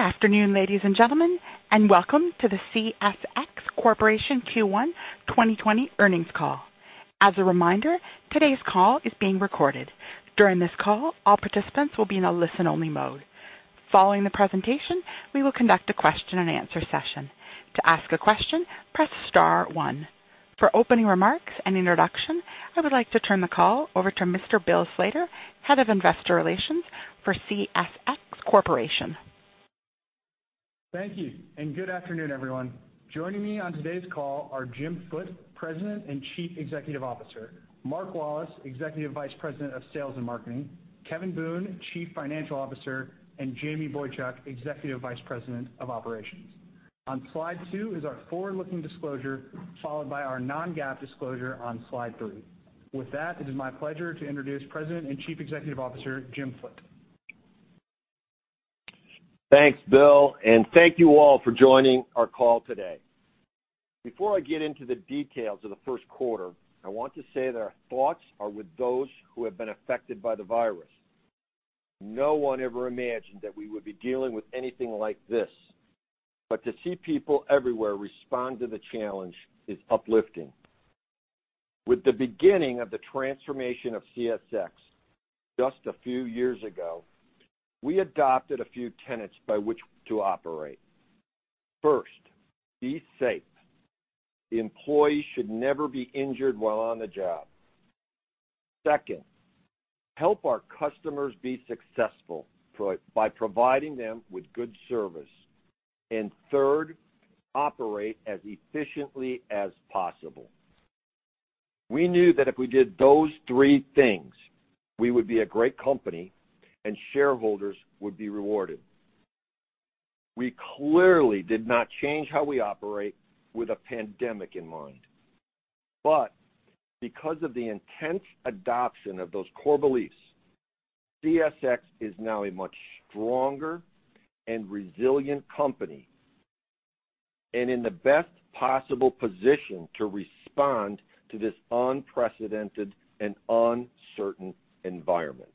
Good afternoon, ladies and gentlemen, and welcome to the CSX Corporation Q1 2020 earnings call. As a reminder, today's call is being recorded. During this call, all participants will be in a listen-only mode. Following the presentation, we will conduct a question and answer session. To ask a question, press star one. For opening remarks and introduction, I would like to turn the call over to Mr. Bill Slater, Head of Investor Relations for CSX Corporation. Thank you, and good afternoon, everyone. Joining me on today's call are Jim Foote, President and Chief Executive Officer, Mark Wallace, Executive Vice President of Sales and Marketing, Kevin Boone, Chief Financial Officer, and Jamie Boychuk, Executive Vice President of Operations. On slide two is our forward-looking disclosure, followed by our non-GAAP disclosure on slide three. With that, it is my pleasure to introduce President and Chief Executive Officer, Jim Foote. Thanks, Bill. Thank you all for joining our call today. Before I get into the details of the first quarter, I want to say that our thoughts are with those who have been affected by the virus. No one ever imagined that we would be dealing with anything like this, but to see people everywhere respond to the challenge is uplifting. With the beginning of the transformation of CSX just a few years ago, we adopted a few tenets by which to operate. First, be safe. The employee should never be injured while on the job. Second, help our customers be successful by providing them with good service. Third, operate as efficiently as possible. We knew that if we did those three things, we would be a great company and shareholders would be rewarded. We clearly did not change how we operate with a pandemic in mind. Because of the intense adoption of those core beliefs, CSX is now a much stronger and resilient company and in the best possible position to respond to this unprecedented and uncertain environment.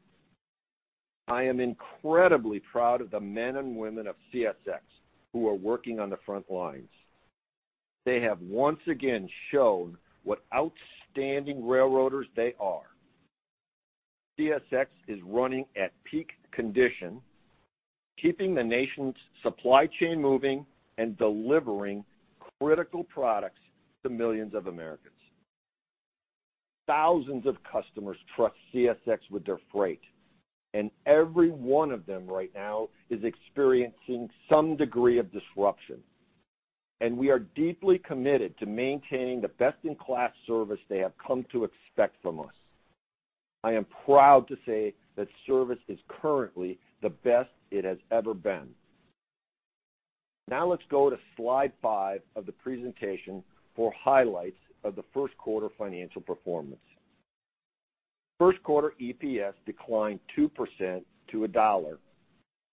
I am incredibly proud of the men and women of CSX who are working on the front lines. They have once again shown what outstanding railroaders they are. CSX is running at peak condition, keeping the nation's supply chain moving and delivering critical products to millions of Americans. Thousands of customers trust CSX with their freight, and every one of them right now is experiencing some degree of disruption. We are deeply committed to maintaining the best-in-class service they have come to expect from us. I am proud to say that service is currently the best it has ever been. Now let's go to slide five of the presentation for highlights of the first quarter financial performance. First quarter EPS declined 2% to $1,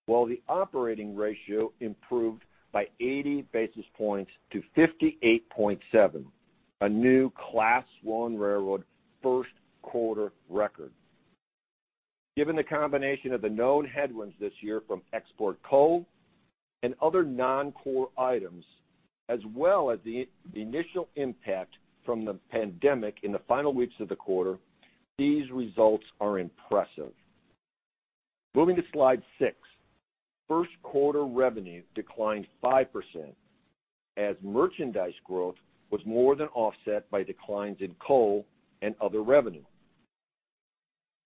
while the operating ratio improved by 80 basis points to 58.7%, a new Class I railroad first quarter record. Given the combination of the known headwinds this year from export coal and other non-core items, as well as the initial impact from the pandemic in the final weeks of the quarter, these results are impressive. Moving to slide six, first quarter revenue declined 5% as merchandise growth was more than offset by declines in coal and other revenue.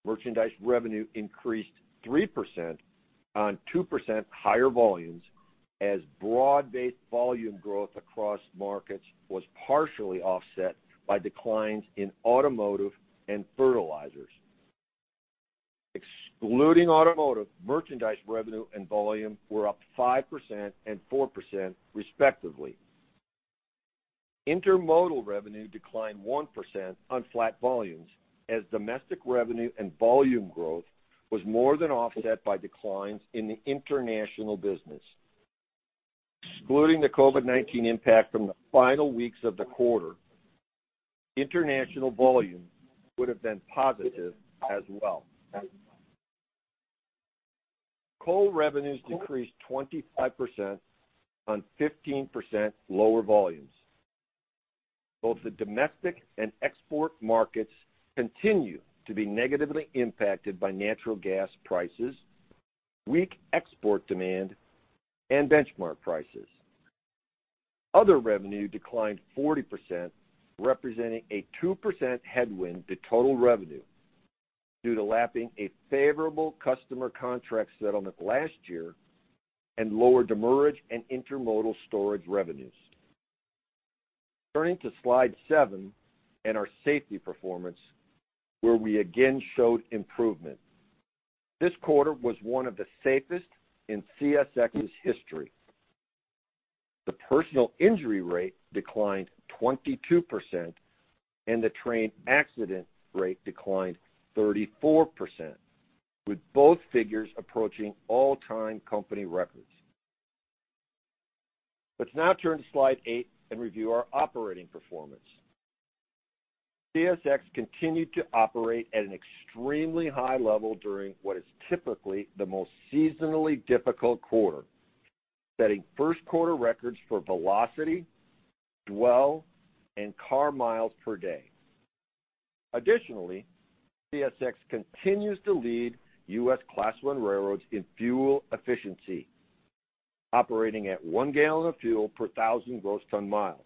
Merchandise revenue increased 3% on 2% higher volumes as broad-based volume growth across markets was partially offset by declines in automotive and fertilizers. Excluding automotive, merchandise revenue and volume were up 5% and 4%, respectively. Intermodal revenue declined 1% on flat volumes as domestic revenue and volume growth was more than offset by declines in the international business. Excluding the COVID-19 impact from the final weeks of the quarter, international volume would have been positive as well. Coal revenues decreased 25% on 15% lower volumes. Both the domestic and export markets continue to be negatively impacted by natural gas prices, weak export demand, and benchmark prices. Other revenue declined 40%, representing a 2% headwind to total revenue due to lapping a favorable customer contract settlement last year and lower demurrage and intermodal storage revenues. Turning to slide seven and our safety performance, where we again showed improvement. This quarter was one of the safest in CSX's history. The personal injury rate declined 22% and the train accident rate declined 34%, with both figures approaching all-time company records. Let's now turn to slide eight and review our operating performance. CSX continued to operate at an extremely high level during what is typically the most seasonally difficult quarter, setting first quarter records for velocity, dwell, and car miles per day. Additionally, CSX continues to lead U.S. Class I railroads in fuel efficiency, operating at one gallon of fuel per thousand gross ton miles.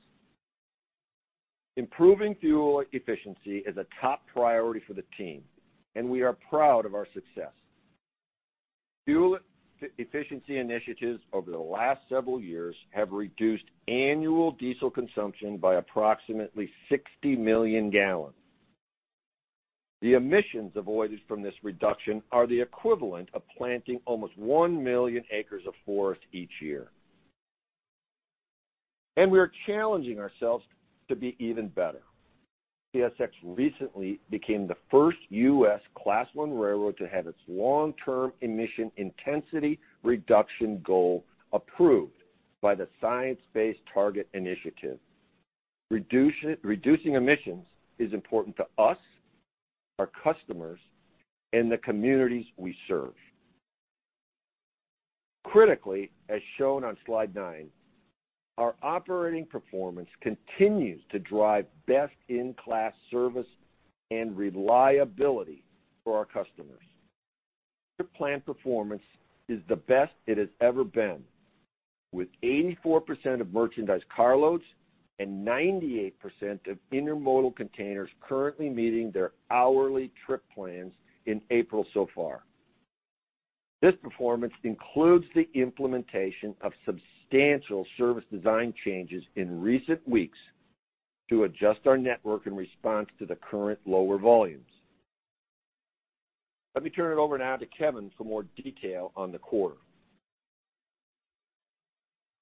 Improving fuel efficiency is a top priority for the team, and we are proud of our success. Fuel efficiency initiatives over the last several years have reduced annual diesel consumption by approximately 60 million gallons. The emissions avoided from this reduction are the equivalent of planting almost 1 million acres of forest each year. We are challenging ourselves to be even better. CSX recently became the first U.S. Class I railroad to have its long-term emission intensity reduction goal approved by the Science Based Targets initiative. Reducing emissions is important to us, our customers, and the communities we serve. Critically, as shown on slide nine, our operating performance continues to drive best-in-class service and reliability for our customers. The plan performance is the best it has ever been, with 84% of merchandise carloads and 98% of intermodal containers currently meeting their hourly trip plans in April so far. This performance includes the implementation of substantial service design changes in recent weeks to adjust our network in response to the current lower volumes. Let me turn it over now to Kevin for more detail on the quarter.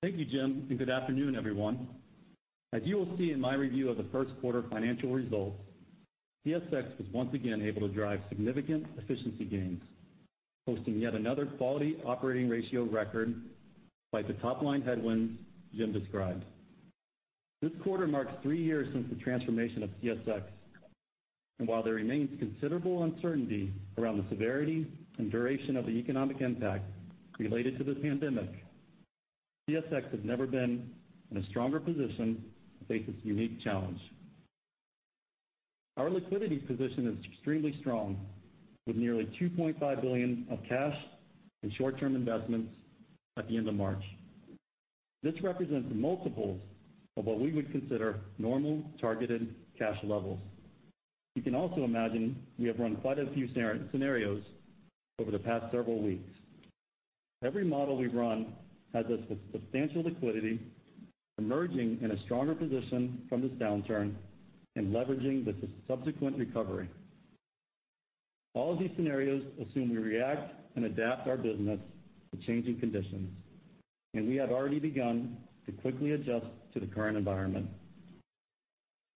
Thank you, Jim. Good afternoon, everyone. As you will see in my review of the first quarter financial results, CSX was once again able to drive significant efficiency gains, posting yet another quality operating ratio record by the top-line headwinds Jim described. This quarter marks three years since the transformation of CSX, and while there remains considerable uncertainty around the severity and duration of the economic impact related to this pandemic, CSX has never been in a stronger position to face this unique challenge. Our liquidity position is extremely strong, with nearly $2.5 billion of cash and short-term investments at the end of March. This represents multiples of what we would consider normal targeted cash levels. You can also imagine we have run quite a few scenarios over the past several weeks. Every model we've run has us with substantial liquidity, emerging in a stronger position from this downturn and leveraging the subsequent recovery. All of these scenarios assume we react and adapt our business to changing conditions, and we have already begun to quickly adjust to the current environment.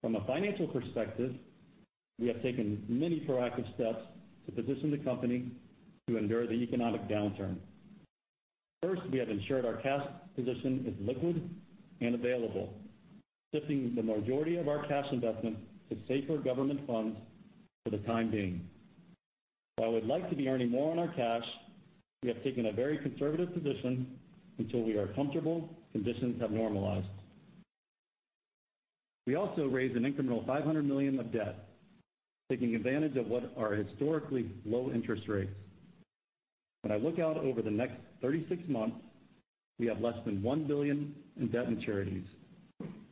From a financial perspective, we have taken many proactive steps to position the company to endure the economic downturn. First, we have ensured our cash position is liquid and available, shifting the majority of our cash investments to safer government funds for the time being. While we'd like to be earning more on our cash, we have taken a very conservative position until we are comfortable conditions have normalized. We also raised an incremental $500 million of debt, taking advantage of what are historically low interest rates. When I look out over the next 36 months, we have less than $1 billion in debt maturities,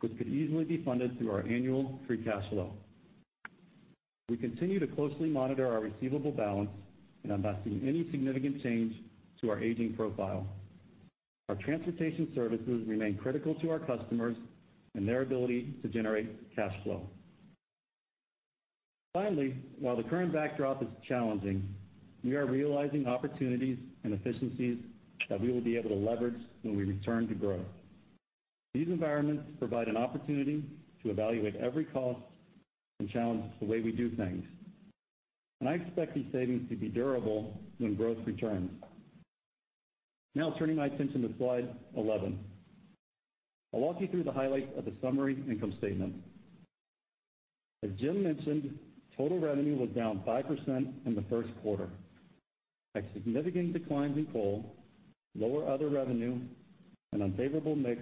which could easily be funded through our annual free cash flow. We continue to closely monitor our receivable balance and have not seen any significant change to our aging profile. Our transportation services remain critical to our customers and their ability to generate cash flow. While the current backdrop is challenging, we are realizing opportunities and efficiencies that we will be able to leverage when we return to growth. These environments provide an opportunity to evaluate every cost and challenge the way we do things. I expect these savings to be durable when growth returns. Turning my attention to slide 11. I'll walk you through the highlights of the summary income statement. As Jim mentioned, total revenue was down 5% in the first quarter. A significant decline in coal, lower other revenue, and unfavorable mix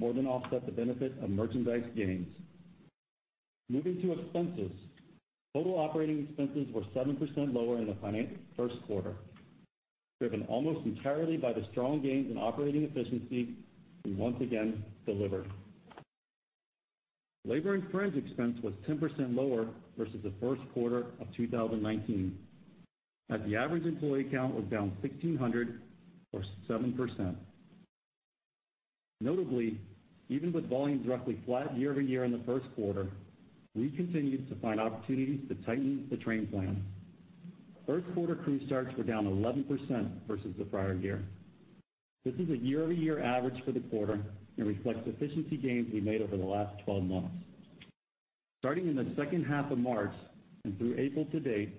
more than offset the benefit of merchandise gains. Moving to expenses. Total operating expenses were 7% lower in the first quarter, driven almost entirely by the strong gains in operating efficiency we once again delivered. Labor and fringe expense was 10% lower versus the first quarter of 2019, as the average employee count was down 1,600 or 7%. Notably, even with volumes roughly flat year-over-year in the first quarter, we continued to find opportunities to tighten the train plan. First quarter crew starts were down 11% versus the prior year. This is a year-over-year average for the quarter and reflects efficiency gains we made over the last 12 months. Starting in the second half of March and through April to date,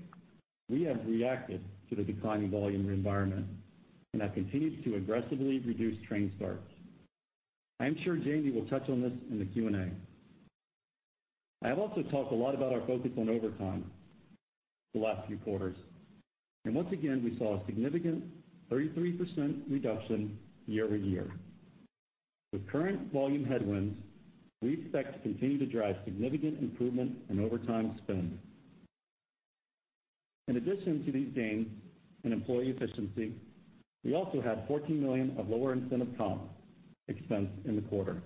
we have reacted to the declining volume environment and have continued to aggressively reduce train starts. I am sure Jamie will touch on this in the Q&A. I have also talked a lot about our focus on overtime the last few quarters, and once again, we saw a significant 33% reduction year-over-year. With current volume headwinds, we expect to continue to drive significant improvement in overtime spend. In addition to these gains in employee efficiency, we also had $14 million of lower incentive comp expense in the quarter.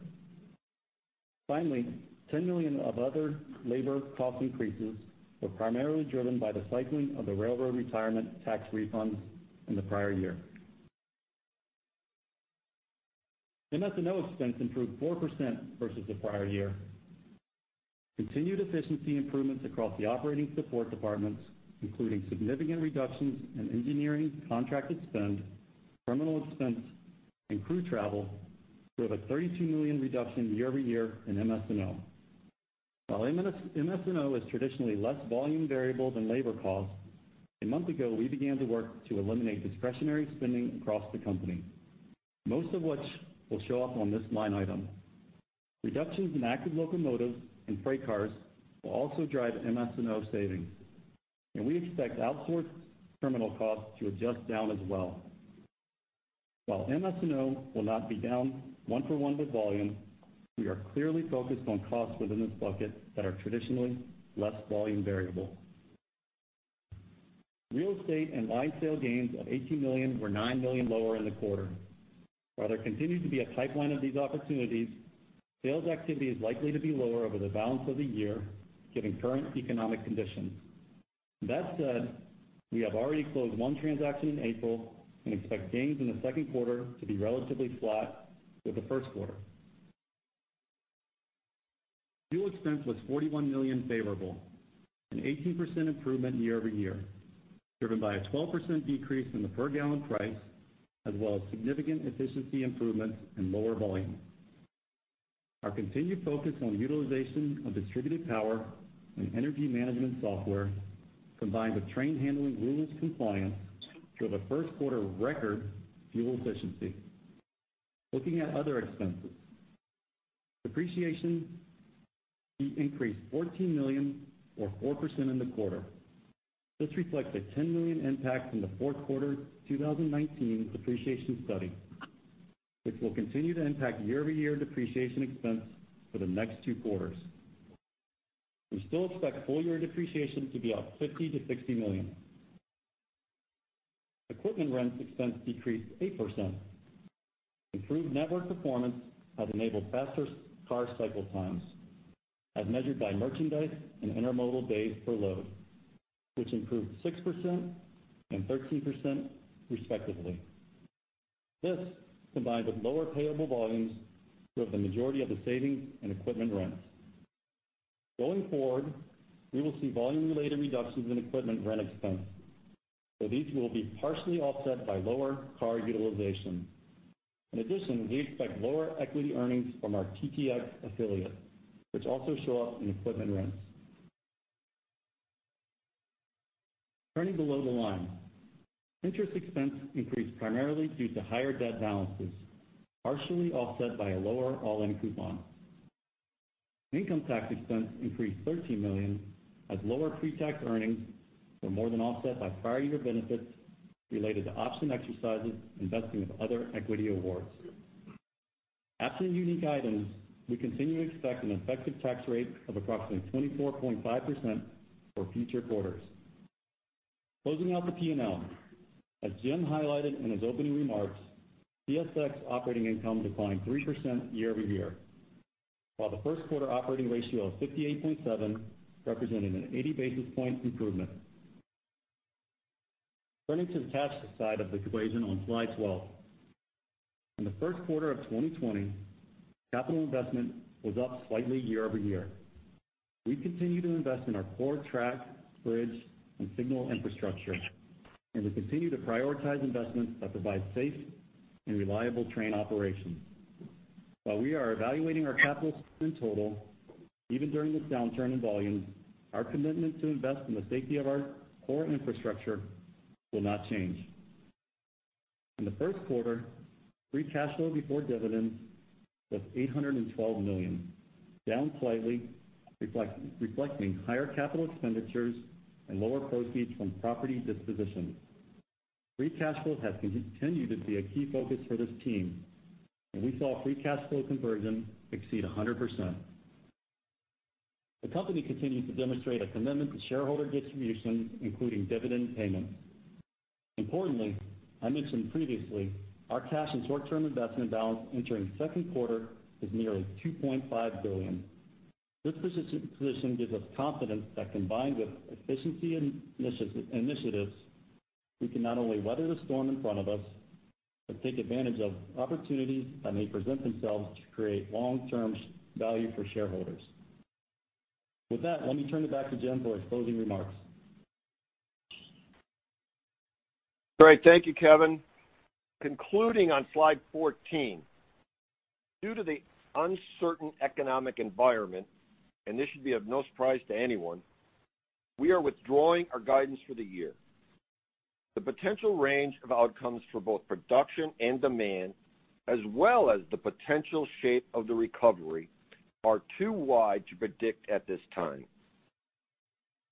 Finally, $10 million of other labor cost increases were primarily driven by the cycling of the Railroad Retirement Tax refunds in the prior year. MS&O expense improved 4% versus the prior year. Continued efficiency improvements across the operating support departments, including significant reductions in engineering contracted spend, terminal expense, and crew travel, drove a $32 million reduction year-over-year in MS&O. While MS&O is traditionally less volume variable than labor cost, a month ago, we began the work to eliminate discretionary spending across the company, most of which will show up on this line item. Reductions in active locomotives and freight cars will also drive MS&O savings, and we expect outsourced terminal costs to adjust down as well. While MS&O will not be down one for one with volume, we are clearly focused on costs within this bucket that are traditionally less volume variable. Real estate and line sale gains of $18 million were $9 million lower in the quarter. While there continues to be a pipeline of these opportunities, sales activity is likely to be lower over the balance of the year given current economic conditions. That said, we have already closed one transaction in April and expect gains in the second quarter to be relatively flat with the first quarter. Fuel expense was $41 million favorable, an 18% improvement year-over-year, driven by a 12% decrease in the per gallon price, as well as significant efficiency improvements and lower volume. Our continued focus on utilization of distributed power and energy management software, combined with train handling rules compliance, drove a first quarter record fuel efficiency. Looking at other expenses. Depreciation increased $14 million, or 4% in the quarter. This reflects a $10 million impact from the fourth quarter 2019 depreciation study, which will continue to impact year-over-year depreciation expense for the next two quarters. We still expect full year depreciation to be up $50 million-$60 million. Equipment rent expense decreased 8%. Improved network performance has enabled faster car cycle times, as measured by merchandise and intermodal days per load, which improved 6% and 13% respectively. This, combined with lower payable volumes, drove the majority of the savings in equipment rents. Going forward, we will see volume related reductions in equipment rent expense, though these will be partially offset by lower car utilization. In addition, we expect lower equity earnings from our TTX affiliate, which also show up in equipment rents. Turning below the line. Interest expense increased primarily due to higher debt balances, partially offset by a lower all-in coupon. Income tax expense increased $13 million as lower pre-tax earnings were more than offset by prior year benefits related to option exercises and vesting of other equity awards. After unique items, we continue to expect an effective tax rate of approximately 24.5% for future quarters. Closing out the P&L. As Jim highlighted in his opening remarks, CSX operating income declined 3% year-over-year, while the first quarter operating ratio of 58.7 represented an 80 basis point improvement. Turning to the cash side of the equation on slide 12. In the first quarter of 2020, capital investment was up slightly year-over-year. We continue to invest in our core track, bridge, and signal infrastructure, and we continue to prioritize investments that provide safe and reliable train operations. While we are evaluating our capital spend total, even during this downturn in volumes, our commitment to invest in the safety of our core infrastructure will not change. In the first quarter, free cash flow before dividends was $812 million, down slightly, reflecting higher capital expenditures and lower proceeds from property dispositions. Free cash flow has continued to be a key focus for this team, and we saw free cash flow conversion exceed 100%. The company continues to demonstrate a commitment to shareholder distributions, including dividend payments. Importantly, I mentioned previously, our cash and short-term investment balance entering the second quarter is nearly $2.5 billion. This position gives us confidence that combined with efficiency initiatives, we can not only weather the storm in front of us, but take advantage of opportunities that may present themselves to create long-term value for shareholders. With that, let me turn it back to Jim for his closing remarks. Great. Thank you, Kevin. Concluding on slide 14, due to the uncertain economic environment, and this should be of no surprise to anyone, we are withdrawing our guidance for the year. The potential range of outcomes for both production and demand, as well as the potential shape of the recovery, are too wide to predict at this time.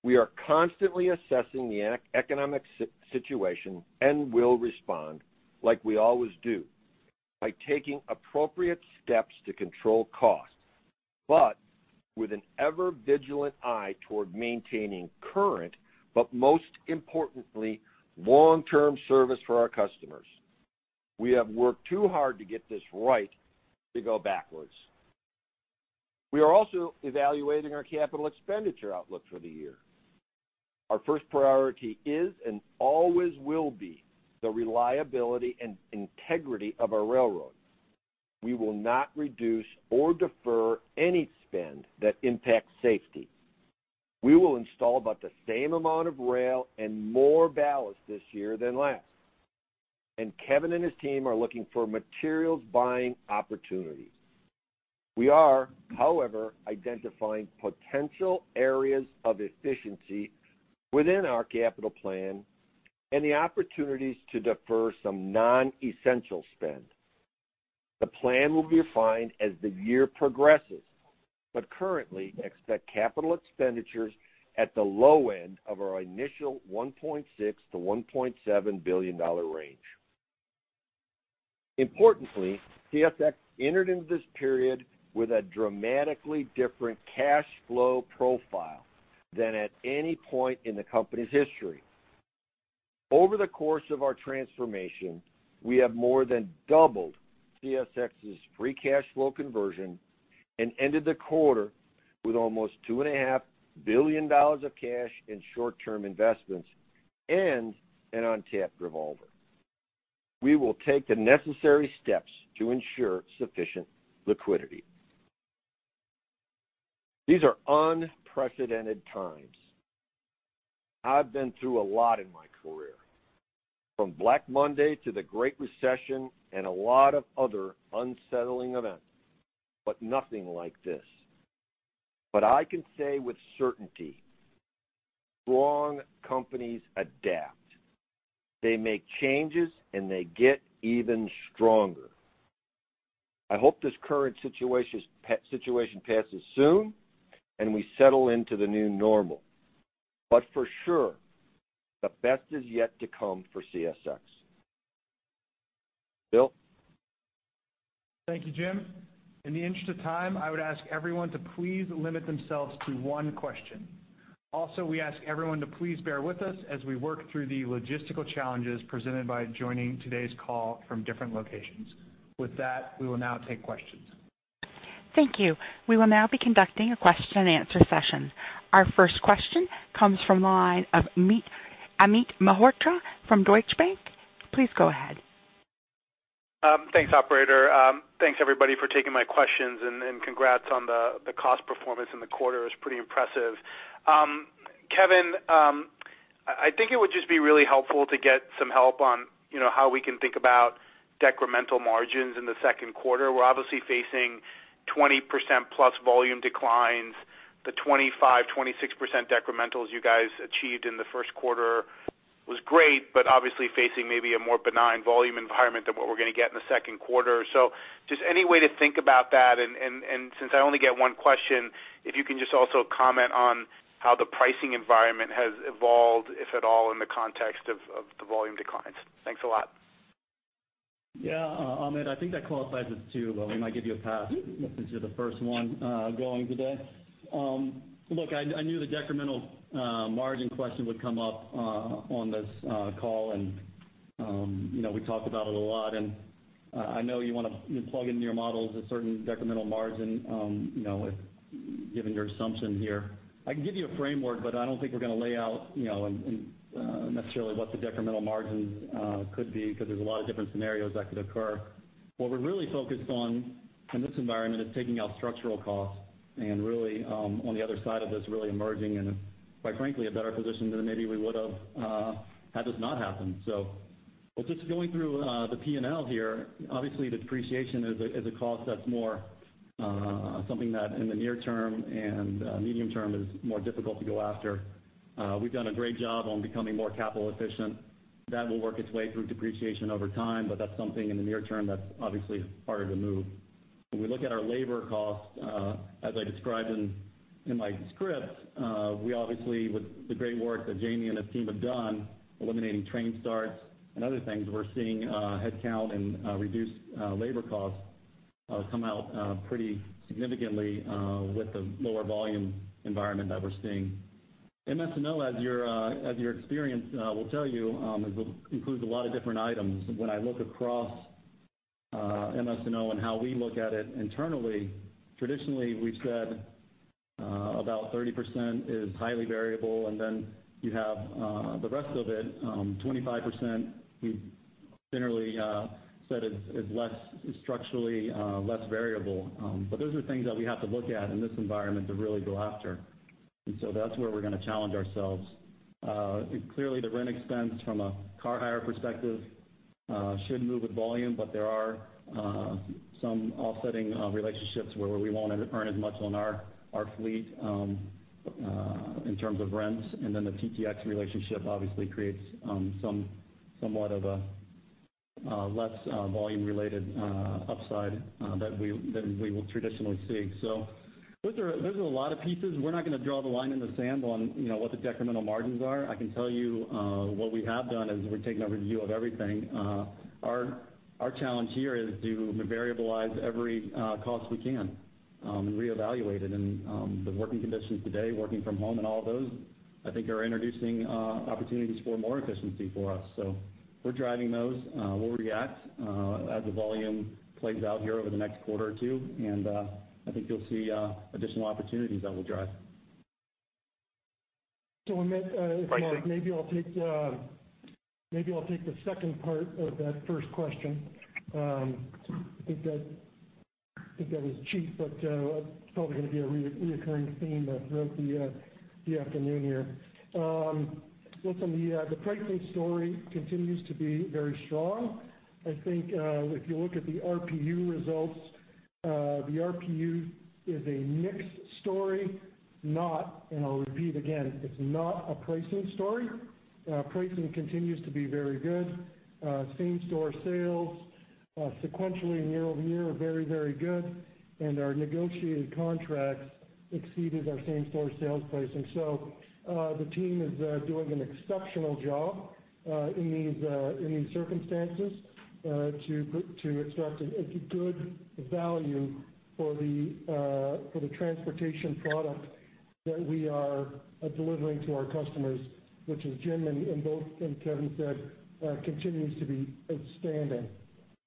We are constantly assessing the economic situation and will respond like we always do, by taking appropriate steps to control cost, but with an ever-vigilant eye toward maintaining current, but most importantly, long-term service for our customers. We have worked too hard to get this right to go backwards. We are also evaluating our capital expenditure outlook for the year. Our first priority is, and always will be, the reliability and integrity of our railroad. We will not reduce or defer any spend that impacts safety. We will install about the same amount of rail and more ballast this year than last. Kevin and his team are looking for materials buying opportunities. We are, however, identifying potential areas of efficiency within our capital plan and the opportunities to defer some non-essential spend. The plan will be refined as the year progresses, but currently expect capital expenditures at the low end of our initial $1.6 billion-$1.7 billion range. Importantly, CSX entered into this period with a dramatically different cash flow profile than at any point in the company's history. Over the course of our transformation, we have more than doubled CSX's free cash flow conversion and ended the quarter with almost $2.5 billion of cash in short-term investments and an untapped revolver. We will take the necessary steps to ensure sufficient liquidity. These are unprecedented times. I've been through a lot in my career, from Black Monday to the Great Recession and a lot of other unsettling events, nothing like this. I can say with certainty, strong companies adapt. They make changes, and they get even stronger. I hope this current situation passes soon and we settle into the new normal, for sure, the best is yet to come for CSX. Bill? Thank you, Jim. In the interest of time, I would ask everyone to please limit themselves to one question. We ask everyone to please bear with us as we work through the logistical challenges presented by joining today's call from different locations. With that, we will now take questions. Thank you. We will now be conducting a question and answer session. Our first question comes from the line of Amit Mehrotra from Deutsche Bank. Please go ahead. Thanks, operator. Thanks everybody for taking my questions, and congrats on the cost performance in the quarter, it was pretty impressive. Kevin, I think it would just be really helpful to get some help on how we can think about decremental margins in the second quarter. We're obviously facing 20%+ volume declines, the 25%, 26% decremental as you guys achieved in the first quarter was great, but obviously facing maybe a more benign volume environment than what we're going to get in the second quarter. Just any way to think about that. Since I only get one question, if you can just also comment on how the pricing environment has evolved, if at all, in the context of the volume declines. Thanks a lot. Yeah. Amit, I think that qualifies as two, but we might give you a pass since you're the first one going today. Look, I knew the decremental margin question would come up on this call and we talked about it a lot, and I know you want to plug into your models a certain decremental margin given your assumption here. I can give you a framework, but I don't think we're going to lay out necessarily what the decremental margins could be because there's a lot of different scenarios that could occur. What we're really focused on in this environment is taking out structural costs and really, on the other side of this, really emerging in, quite frankly, a better position than maybe we would've had this not happened. Just going through the P&L here, obviously the depreciation is a cost that's more something that in the near term and medium term is more difficult to go after. We've done a great job on becoming more capital efficient. That will work its way through depreciation over time, but that's something in the near term that's obviously harder to move. When we look at our labor costs, as I described in my script, we obviously with the great work that Jamie and his team have done eliminating train starts and other things, we're seeing headcount and reduced labor costs come out pretty significantly with the lower volume environment that we're seeing. MS&O, as your experience will tell you, includes a lot of different items. When I look across MS&O and how we look at it internally, traditionally we've said about 30% is highly variable, and then you have the rest of it, 25% we generally said it's structurally less variable. Those are things that we have to look at in this environment to really go after. That's where we're going to challenge ourselves. Clearly the rent expense from a car hire perspective should move with volume, but there are some offsetting relationships where we won't earn as much on our fleet in terms of rents. The TTX relationship obviously creates somewhat of a less volume-related upside that we will traditionally see. Those are a lot of pieces. We're not going to draw the line in the sand on what the decremental margins are. I can tell you what we have done is we're taking a review of everything. Our challenge here is to variabilize every cost we can, and reevaluate it. The working conditions today, working from home and all of those, I think are introducing opportunities for more efficiency for us. We're driving those. We'll react as the volume plays out here over the next quarter or two. I think you'll see additional opportunities that we'll drive. So on that- Pricing. Maybe I'll take the second part of that first question. I think that was cheap, it's probably going to be a reoccurring theme throughout the afternoon here. Listen, the pricing story continues to be very strong. I think if you look at the RPU results, the RPU is a mix story, not, I'll repeat again, it's not a pricing story. Pricing continues to be very good. Same store sales sequentially and year-over-year are very, very good, our negotiated contracts exceeded our same store sales pricing. The team is doing an exceptional job in these circumstances to extract a good value for the transportation product that we are delivering to our customers, which, as Jim and Kevin said, continues to be outstanding.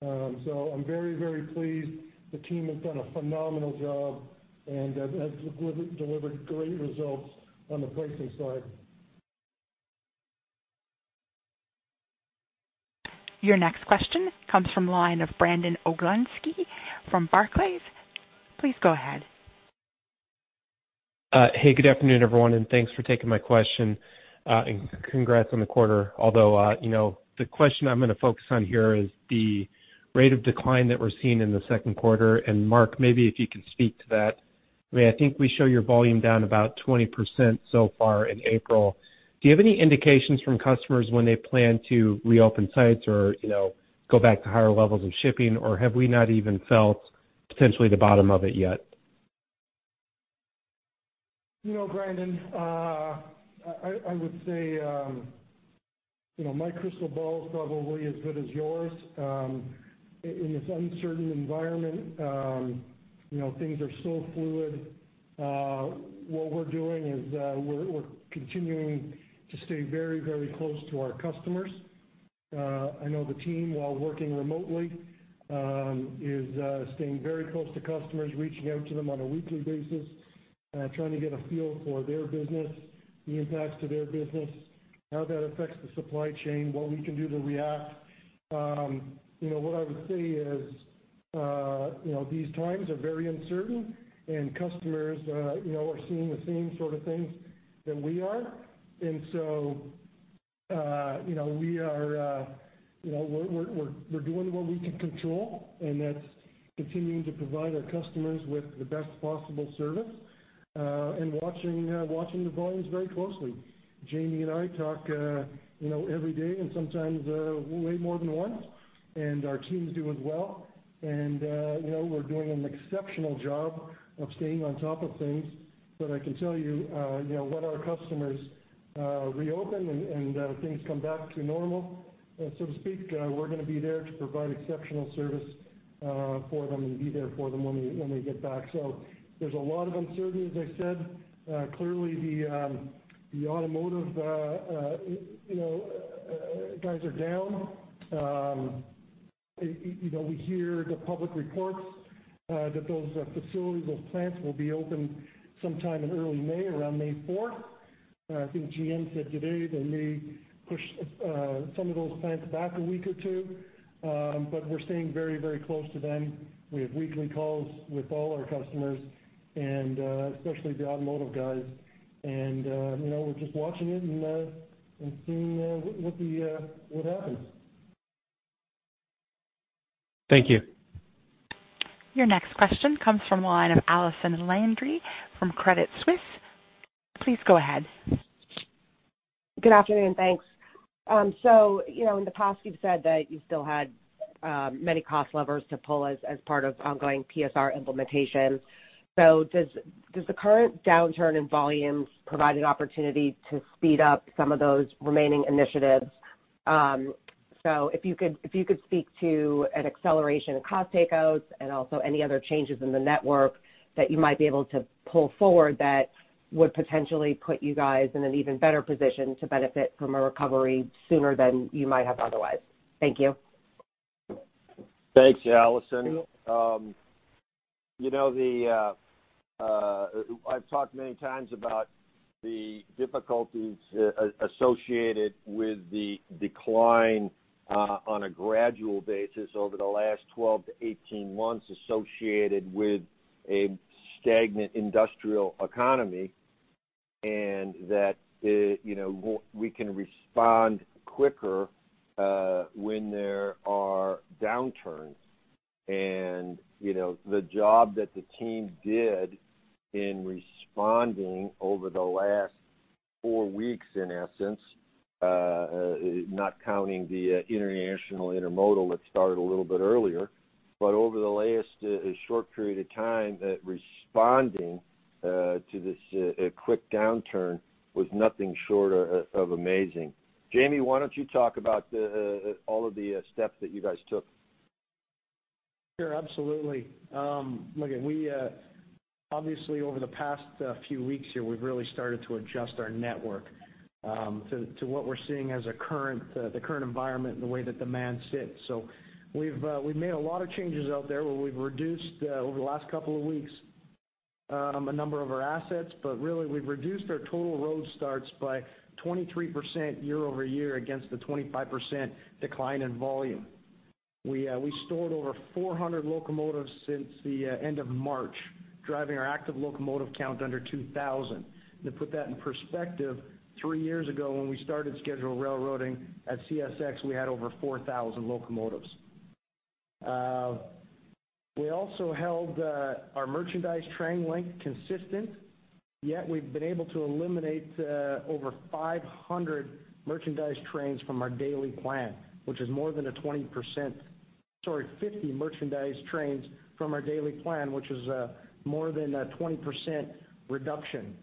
I'm very, very pleased. The team has done a phenomenal job and has delivered great results on the pricing side. Your next question comes from the line of Brandon Oglenski from Barclays. Please go ahead. Hey, good afternoon, everyone, and thanks for taking my question. Congrats on the quarter. Although the question I'm going to focus on here is the rate of decline that we're seeing in the second quarter. Mark, maybe if you can speak to that. I think we show your volume down about 20% so far in April. Do you have any indications from customers when they plan to reopen sites or go back to higher levels of shipping, or have we not even felt potentially the bottom of it yet? You know, Brandon, I would say my crystal ball is probably as good as yours. In this uncertain environment things are so fluid. What we're doing is we're continuing to stay very close to our customers. I know the team, while working remotely, is staying very close to customers, reaching out to them on a weekly basis, trying to get a feel for their business, the impacts to their business, how that affects the supply chain, what we can do to react. What I would say is these times are very uncertain. Customers are seeing the same sort of things that we are. We're doing what we can control, and that's continuing to provide our customers with the best possible service, and watching the volumes very closely. Jamie and I talk every day and sometimes way more than once, and our team's doing well. We're doing an exceptional job of staying on top of things. I can tell you when our customers reopen and things come back to normal, so to speak, we're going to be there to provide exceptional service for them and be there for them when they get back. There's a lot of uncertainty, as I said. Clearly the automotive guys are down. We hear the public reports that those facilities, those plants will be open sometime in early May, around May 4th. I think GM said today they may push some of those plants back a week or two. We're staying very close to them. We have weekly calls with all our customers, and especially the automotive guys. We're just watching it and seeing what happens. Thank you. Your next question comes from the line of Allison Landry from Credit Suisse. Please go ahead. Good afternoon. Thanks. In the past, you've said that you still had many cost levers to pull as part of ongoing PSR implementation. Does the current downturn in volumes provide an opportunity to speed up some of those remaining initiatives? If you could speak to an acceleration of cost takeouts and also any other changes in the network that you might be able to pull forward that would potentially put you guys in an even better position to benefit from a recovery sooner than you might have otherwise. Thank you. Thanks, Allison. I've talked many times about the difficulties associated with the decline on a gradual basis over the last 12 to 18 months associated with a stagnant industrial economy. That we can respond quicker when there are downturns. The job that the team did in responding over the last four weeks, in essence, not counting the international intermodal that started a little bit earlier, over the latest short period of time, that responding to this quick downturn was nothing short of amazing. Jamie, why don't you talk about all of the steps that you guys took? Sure, absolutely. Obviously over the past few weeks here, we've really started to adjust our network to what we're seeing as the current environment and the way that demand sits. We've made a lot of changes out there where we've reduced, over the last couple of weeks, a number of our assets. Really, we've reduced our total road starts by 23% year-over-year against the 25% decline in volume. We stored over 400 locomotives since the end of March, driving our active locomotive count under 2,000. To put that in perspective, three years ago when we started scheduled railroading at CSX, we had over 4,000 locomotives. We also held our merchandise train length consistent, yet we've been able to eliminate over 500 merchandise trains from our daily plan, which is more than a 20%-- sorry, 50 merchandise trains from our daily plan, which is more than a 20% reduction.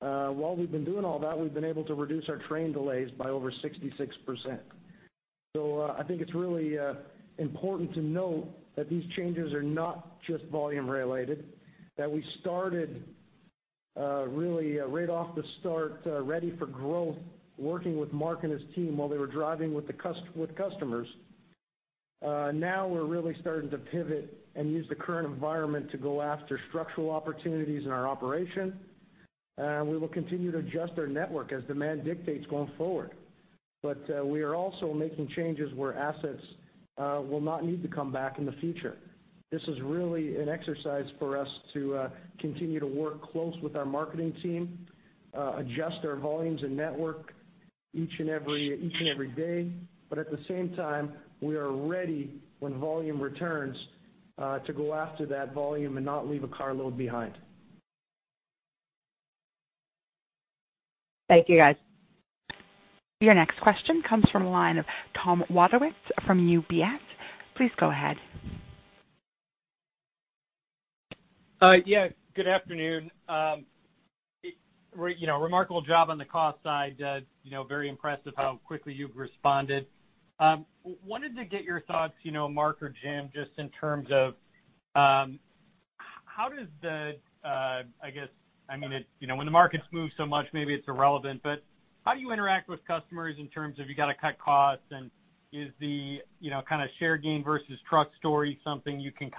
While we've been doing all that, we've been able to reduce our train delays by over 66%. I think it's really important to note that these changes are not just volume related, that we started really right off the start, ready for growth, working with Mark and his team while they were driving with customers. Now we're really starting to pivot and use the current environment to go after structural opportunities in our operation. We will continue to adjust our network as demand dictates going forward. We are also making changes where assets will not need to come back in the future. This is really an exercise for us to continue to work close with our marketing team, adjust our volumes and network each and every day. At the same time, we are ready when volume returns, to go after that volume and not leave a carload behind. Thank you, guys. Your next question comes from the line of Tom Wadewitz from UBS. Please go ahead. Yeah, good afternoon. Remarkable job on the cost side. Very impressive how quickly you've responded. Wanted to get your thoughts, Mark or Jim, just in terms of how does the when the markets move so much, maybe it's irrelevant, but how do you interact with customers in terms of you got to cut costs, and is the kind of share gain versus truck story something you can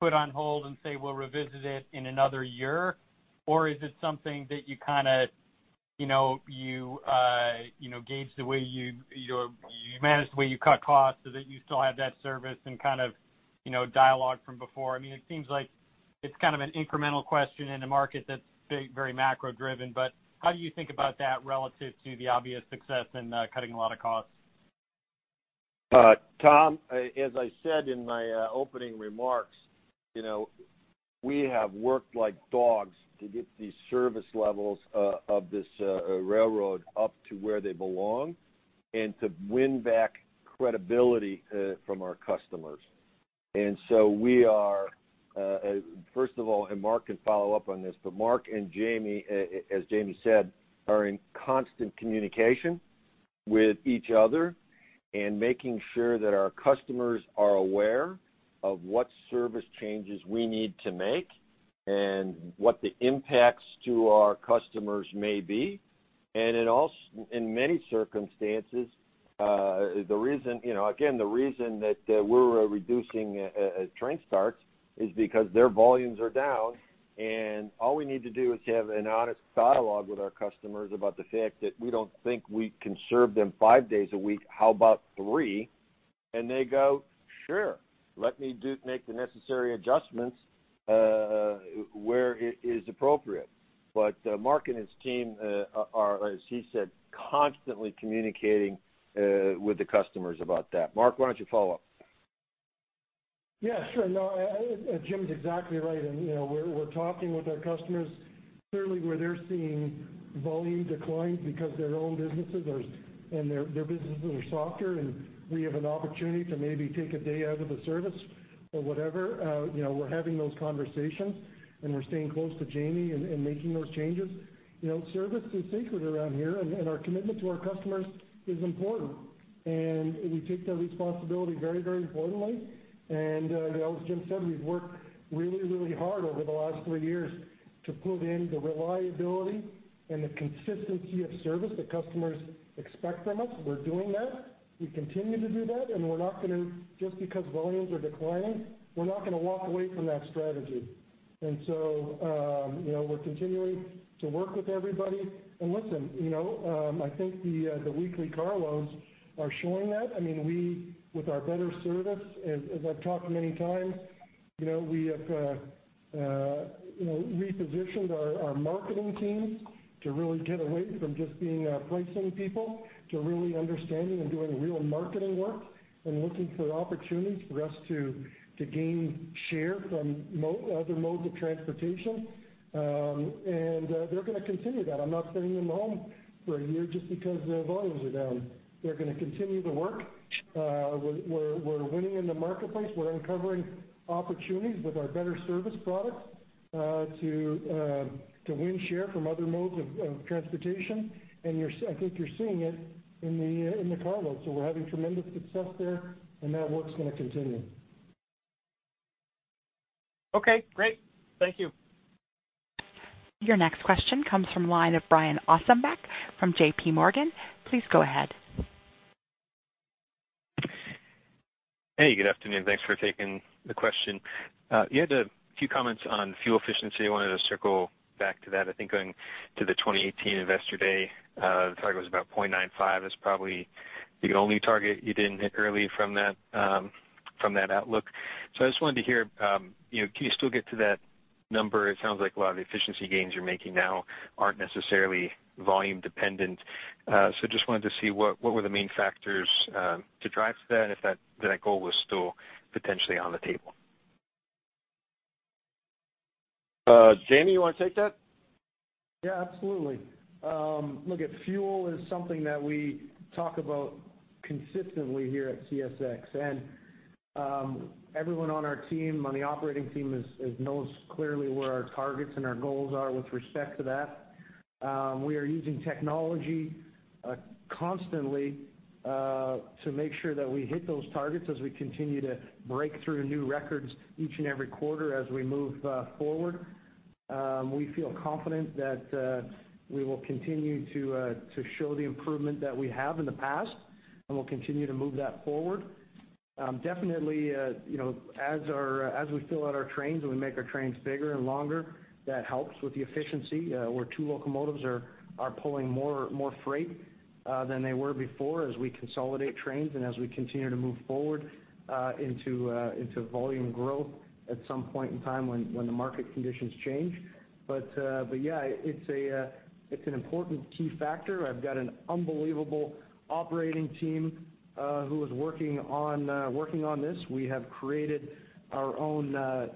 put on hold and say we'll revisit it in another year? Is it something that you gauge the way you manage the way you cut costs so that you still have that service and kind of dialogue from before? It seems like it's kind of an incremental question in a market that's very macro driven, but how do you think about that relative to the obvious success in cutting a lot of costs? Tom, as I said in my opening remarks, we have worked like dogs to get these service levels of this railroad up to where they belong and to win back credibility from our customers. We are, first of all, and Mark can follow up on this, but Mark and Jamie, as Jamie said, are in constant communication with each other and making sure that our customers are aware of what service changes we need to make and what the impacts to our customers may be. In many circumstances, again, the reason that we're reducing train starts is because their volumes are down, and all we need to do is have an honest dialogue with our customers about the fact that we don't think we can serve them five days a week, how about three? They go, "Sure, let me make the necessary adjustments where it is appropriate." Mark and his team are, as he said, constantly communicating with the customers about that. Mark, why don't you follow up? Sure. No, Jim's exactly right, and we're talking with our customers clearly where they're seeing volume decline because their own businesses are softer, and we have an opportunity to maybe take a day out of the service or whatever. We're having those conversations, and we're staying close to Jamie and making those changes. Service is sacred around here, and our commitment to our customers is important, and we take that responsibility very importantly. As Jim said, we've worked really hard over the last three years to put in the reliability and the consistency of service that customers expect from us. We're doing that. We continue to do that, and just because volumes are declining, we're not going to walk away from that strategy. We're continuing to work with everybody. I think the weekly carloads are showing that. With our better service, as I've talked many times, we have repositioned our marketing teams to really get away from just being price-selling people, to really understanding and doing real marketing work and looking for opportunities for us to gain share from other modes of transportation. They're going to continue that. I'm not sending them home for a year just because their volumes are down. They're going to continue to work. We're winning in the marketplace. We're uncovering opportunities with our better service products to win share from other modes of transportation, and I think you're seeing it in the carloads. We're having tremendous success there, and that work's going to continue. Okay, great. Thank you. Your next question comes from the line of Brian Ossenbeck from JPMorgan. Please go ahead. Hey, good afternoon. Thanks for taking the question. You had a few comments on fuel efficiency. I wanted to circle back to that. I think going to the 2018 Investor Day, the target was about 0.95. It's probably the only target you didn't hit early from that outlook. I just wanted to hear, can you still get to that number? It sounds like a lot of the efficiency gains you're making now aren't necessarily volume dependent. Just wanted to see what were the main factors to drive to that and if that goal was still potentially on the table. Jamie, you want to take that? Yeah, absolutely. Look, fuel is something that we talk about consistently here at CSX, and everyone on our team, on the operating team knows clearly where our targets and our goals are with respect to that. We are using technology constantly to make sure that we hit those targets as we continue to break through new records each and every quarter as we move forward. We feel confident that we will continue to show the improvement that we have in the past, and we'll continue to move that forward. Definitely, as we fill out our trains and we make our trains bigger and longer, that helps with the efficiency where two locomotives are pulling more freight than they were before as we consolidate trains and as we continue to move forward into volume growth at some point in time when the market conditions change. Yeah, it's an important key factor. I've got an unbelievable operating team who is working on this. We have created our own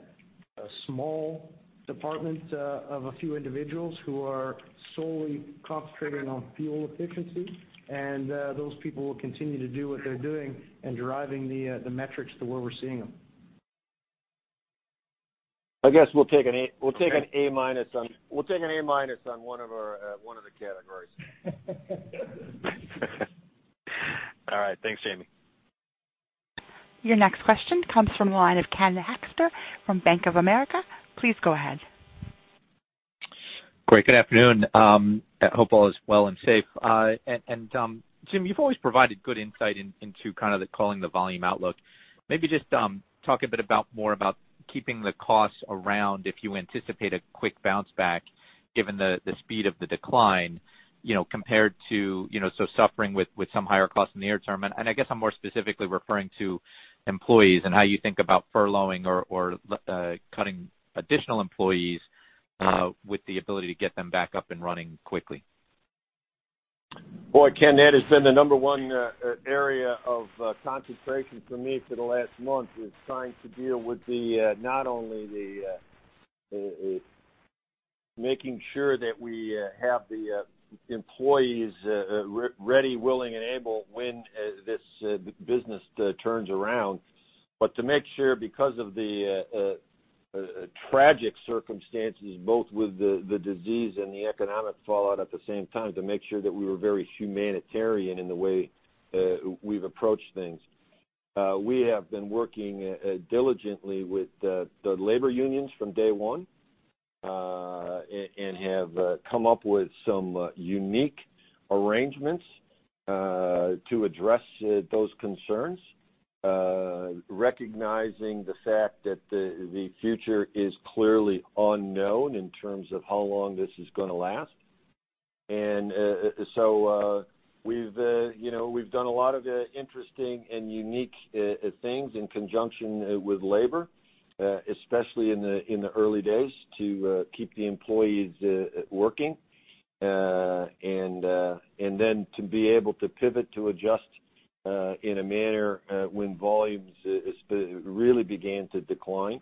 small department of a few individuals who are solely concentrating on fuel efficiency, and those people will continue to do what they're doing and driving the metrics to where we're seeing them. I guess we'll take an A- on one of the categories. All right. Thanks, Jamie. Your next question comes from the line of Ken Hoexter from Bank of America. Please go ahead. Great. Good afternoon. I hope all is well and safe. Jim, you've always provided good insight into kind of the calling the volume outlook. Maybe just talk a bit more about keeping the costs around if you anticipate a quick bounce back given the speed of the decline, compared to suffering with some higher costs in the near term. I guess I'm more specifically referring to employees and how you think about furloughing or cutting additional employees with the ability to get them back up and running quickly. Boy, Ken, that has been the number one area of concentration for me for the last month, is trying to deal with not only making sure that we have the employees ready, willing, and able when this business turns around, but to make sure because of the tragic circumstances, both with the disease and the economic fallout at the same time, to make sure that we were very humanitarian in the way we've approached things. We have been working diligently with the labor unions from day one, and have come up with some unique arrangements to address those concerns, recognizing the fact that the future is clearly unknown in terms of how long this is going to last. We've done a lot of interesting and unique things in conjunction with labor, especially in the early days, to keep the employees working, then to be able to pivot, to adjust in a manner when volumes really began to decline,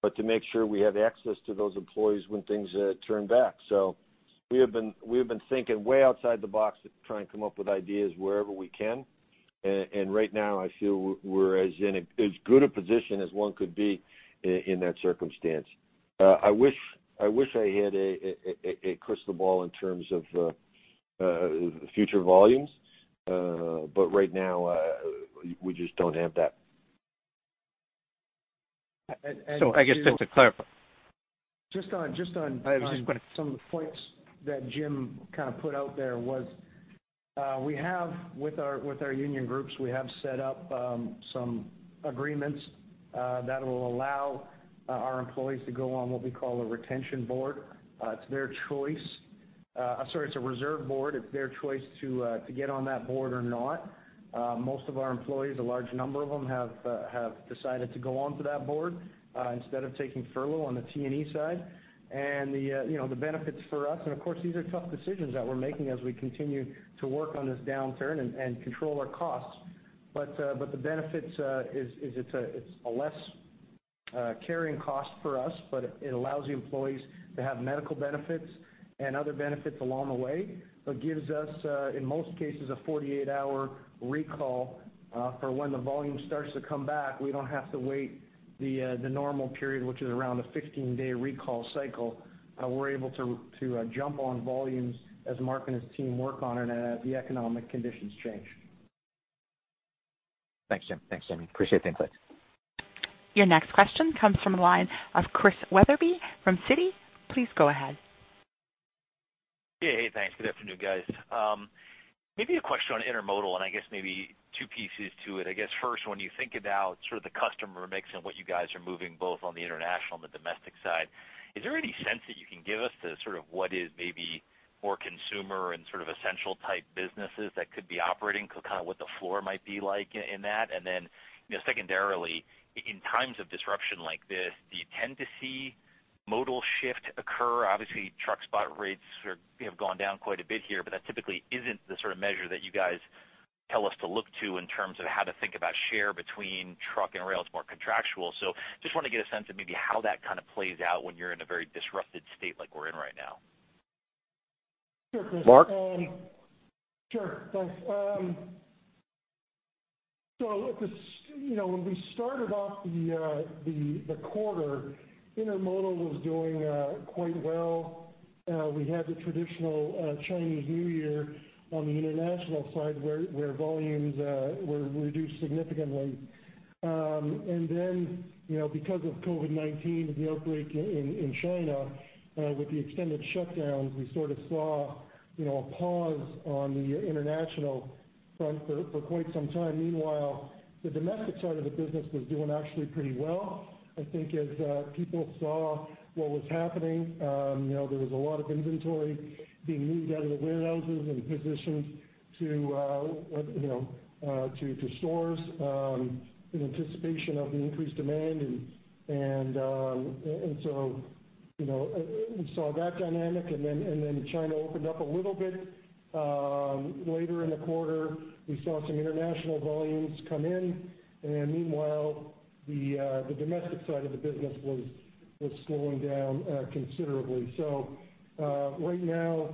but to make sure we have access to those employees when things turn back. We have been thinking way outside the box to try and come up with ideas wherever we can. Right now, I feel we're in as good a position as one could be in that circumstance. I wish I had a crystal ball in terms of future volumes. Right now, we just don't have that. I guess just to clarify. Just on some of the points that Jim kind of put out there was. With our union groups, we have set up some agreements that will allow our employees to go on what we call a retention board. It's their choice. I'm sorry, it's a reserve board. It's their choice to get on that board or not. Most of our employees, a large number of them, have decided to go onto that board instead of taking furlough on the T&E side. The benefits for us, and of course, these are tough decisions that we're making as we continue to work on this downturn and control our costs, but the benefit is it's a less carrying cost for us, but it allows the employees to have medical benefits and other benefits along the way, but gives us, in most cases, a 48-hour recall for when the volume starts to come back. We don't have to wait the normal period, which is around a 15-day recall cycle. We're able to jump on volumes as Mark and his team work on it as the economic conditions change. Thanks, Jim. Thanks, Jamie. Appreciate the insight. Your next question comes from the line of Chris Wetherbee from Citi. Please go ahead. Hey, thanks. Good afternoon, guys. Maybe a question on intermodal, and I guess maybe two pieces to it. I guess first, when you think about the customer mix and what you guys are moving both on the international and the domestic side, is there any sense that you can give us to what is maybe more consumer and essential type businesses that could be operating, kind of what the floor might be like in that? Secondarily, in times of disruption like this, do you tend to see modal shift occur? Obviously, truck spot rates have gone down quite a bit here, but that typically isn't the sort of measure that you guys tell us to look to in terms of how to think about share between truck and rail. It's more contractual. Just want to get a sense of maybe how that kind of plays out when you're in a very disrupted state like we're in right now. Sure, Chris. Mark? Sure. Thanks. When we started off the quarter, intermodal was doing quite well. We had the traditional Chinese New Year on the international side, where volumes were reduced significantly. Because of COVID-19 and the outbreak in China, with the extended shutdowns, we sort of saw a pause on the international front for quite some time. Meanwhile, the domestic side of the business was doing actually pretty well. I think as people saw what was happening, there was a lot of inventory being moved out of the warehouses and positions to stores, in anticipation of the increased demand. We saw that dynamic, and then China opened up a little bit. Later in the quarter, we saw some international volumes come in, and meanwhile, the domestic side of the business was slowing down considerably. Right now,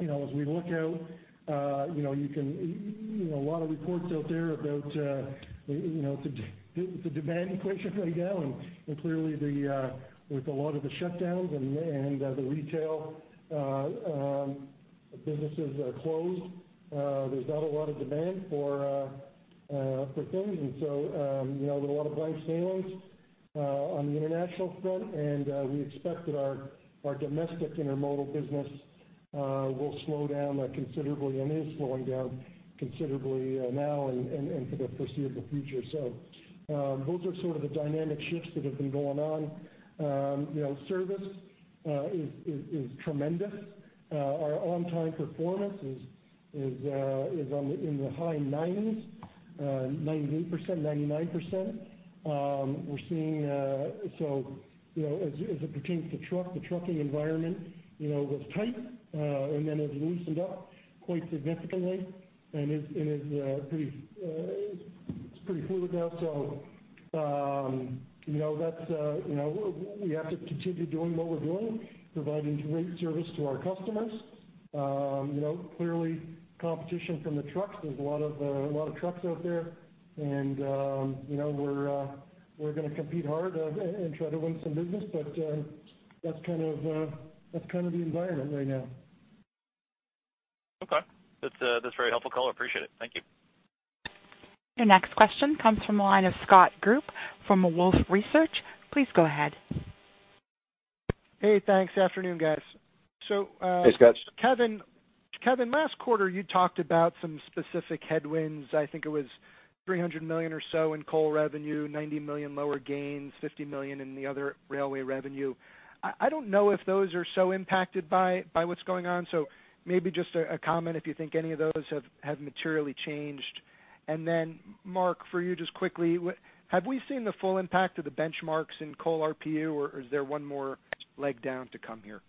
as we look out, a lot of reports out there about the demand equation right now, and clearly with a lot of the shutdowns and the retail businesses that are closed, there's not a lot of demand for things. There are a lot of blank sailings on the international front, and we expect that our domestic intermodal business will slow down considerably and is slowing down considerably now and for the foreseeable future. Those are sort of the dynamic shifts that have been going on. Service is tremendous. Our on-time performance is in the high 90s, 98%, 99%. As it pertains to truck, the trucking environment was tight, and then it loosened up quite significantly, and it's pretty fluid now. We have to continue doing what we're doing, providing great service to our customers. Clearly, competition from the trucks, there's a lot of trucks out there, and we're going to compete hard and try to win some business, but that's kind of the environment right now. Okay. That's a very helpful call. Appreciate it. Thank you. Your next question comes from the line of Scott Group from Wolfe Research. Please go ahead. Hey, thanks. Afternoon, guys. Hey, Scott. Kevin, last quarter, you talked about some specific headwinds. I think it was $300 million or so in coal revenue, $90 million lower gains, $50 million in the other railway revenue. I don't know if those are so impacted by what's going on. Maybe just a comment if you think any of those have materially changed. Mark, for you, just quickly, have we seen the full impact of the benchmarks in coal RPU, or is there one more leg down to come here?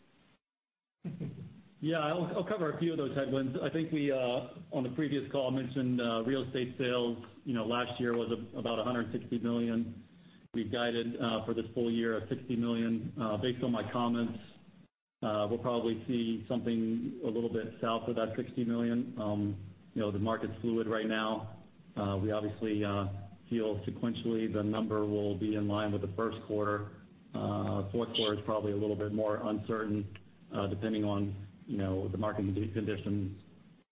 Yeah, I'll cover a few of those headwinds. I think we, on the previous call, mentioned real estate sales. Last year was about $160 million. We guided for this full year of $60 million. Based on my comments, we'll probably see something a little bit south of that $60 million. The market's fluid right now. We obviously feel sequentially the number will be in line with the first quarter. Fourth quarter is probably a little bit more uncertain, depending on the market conditions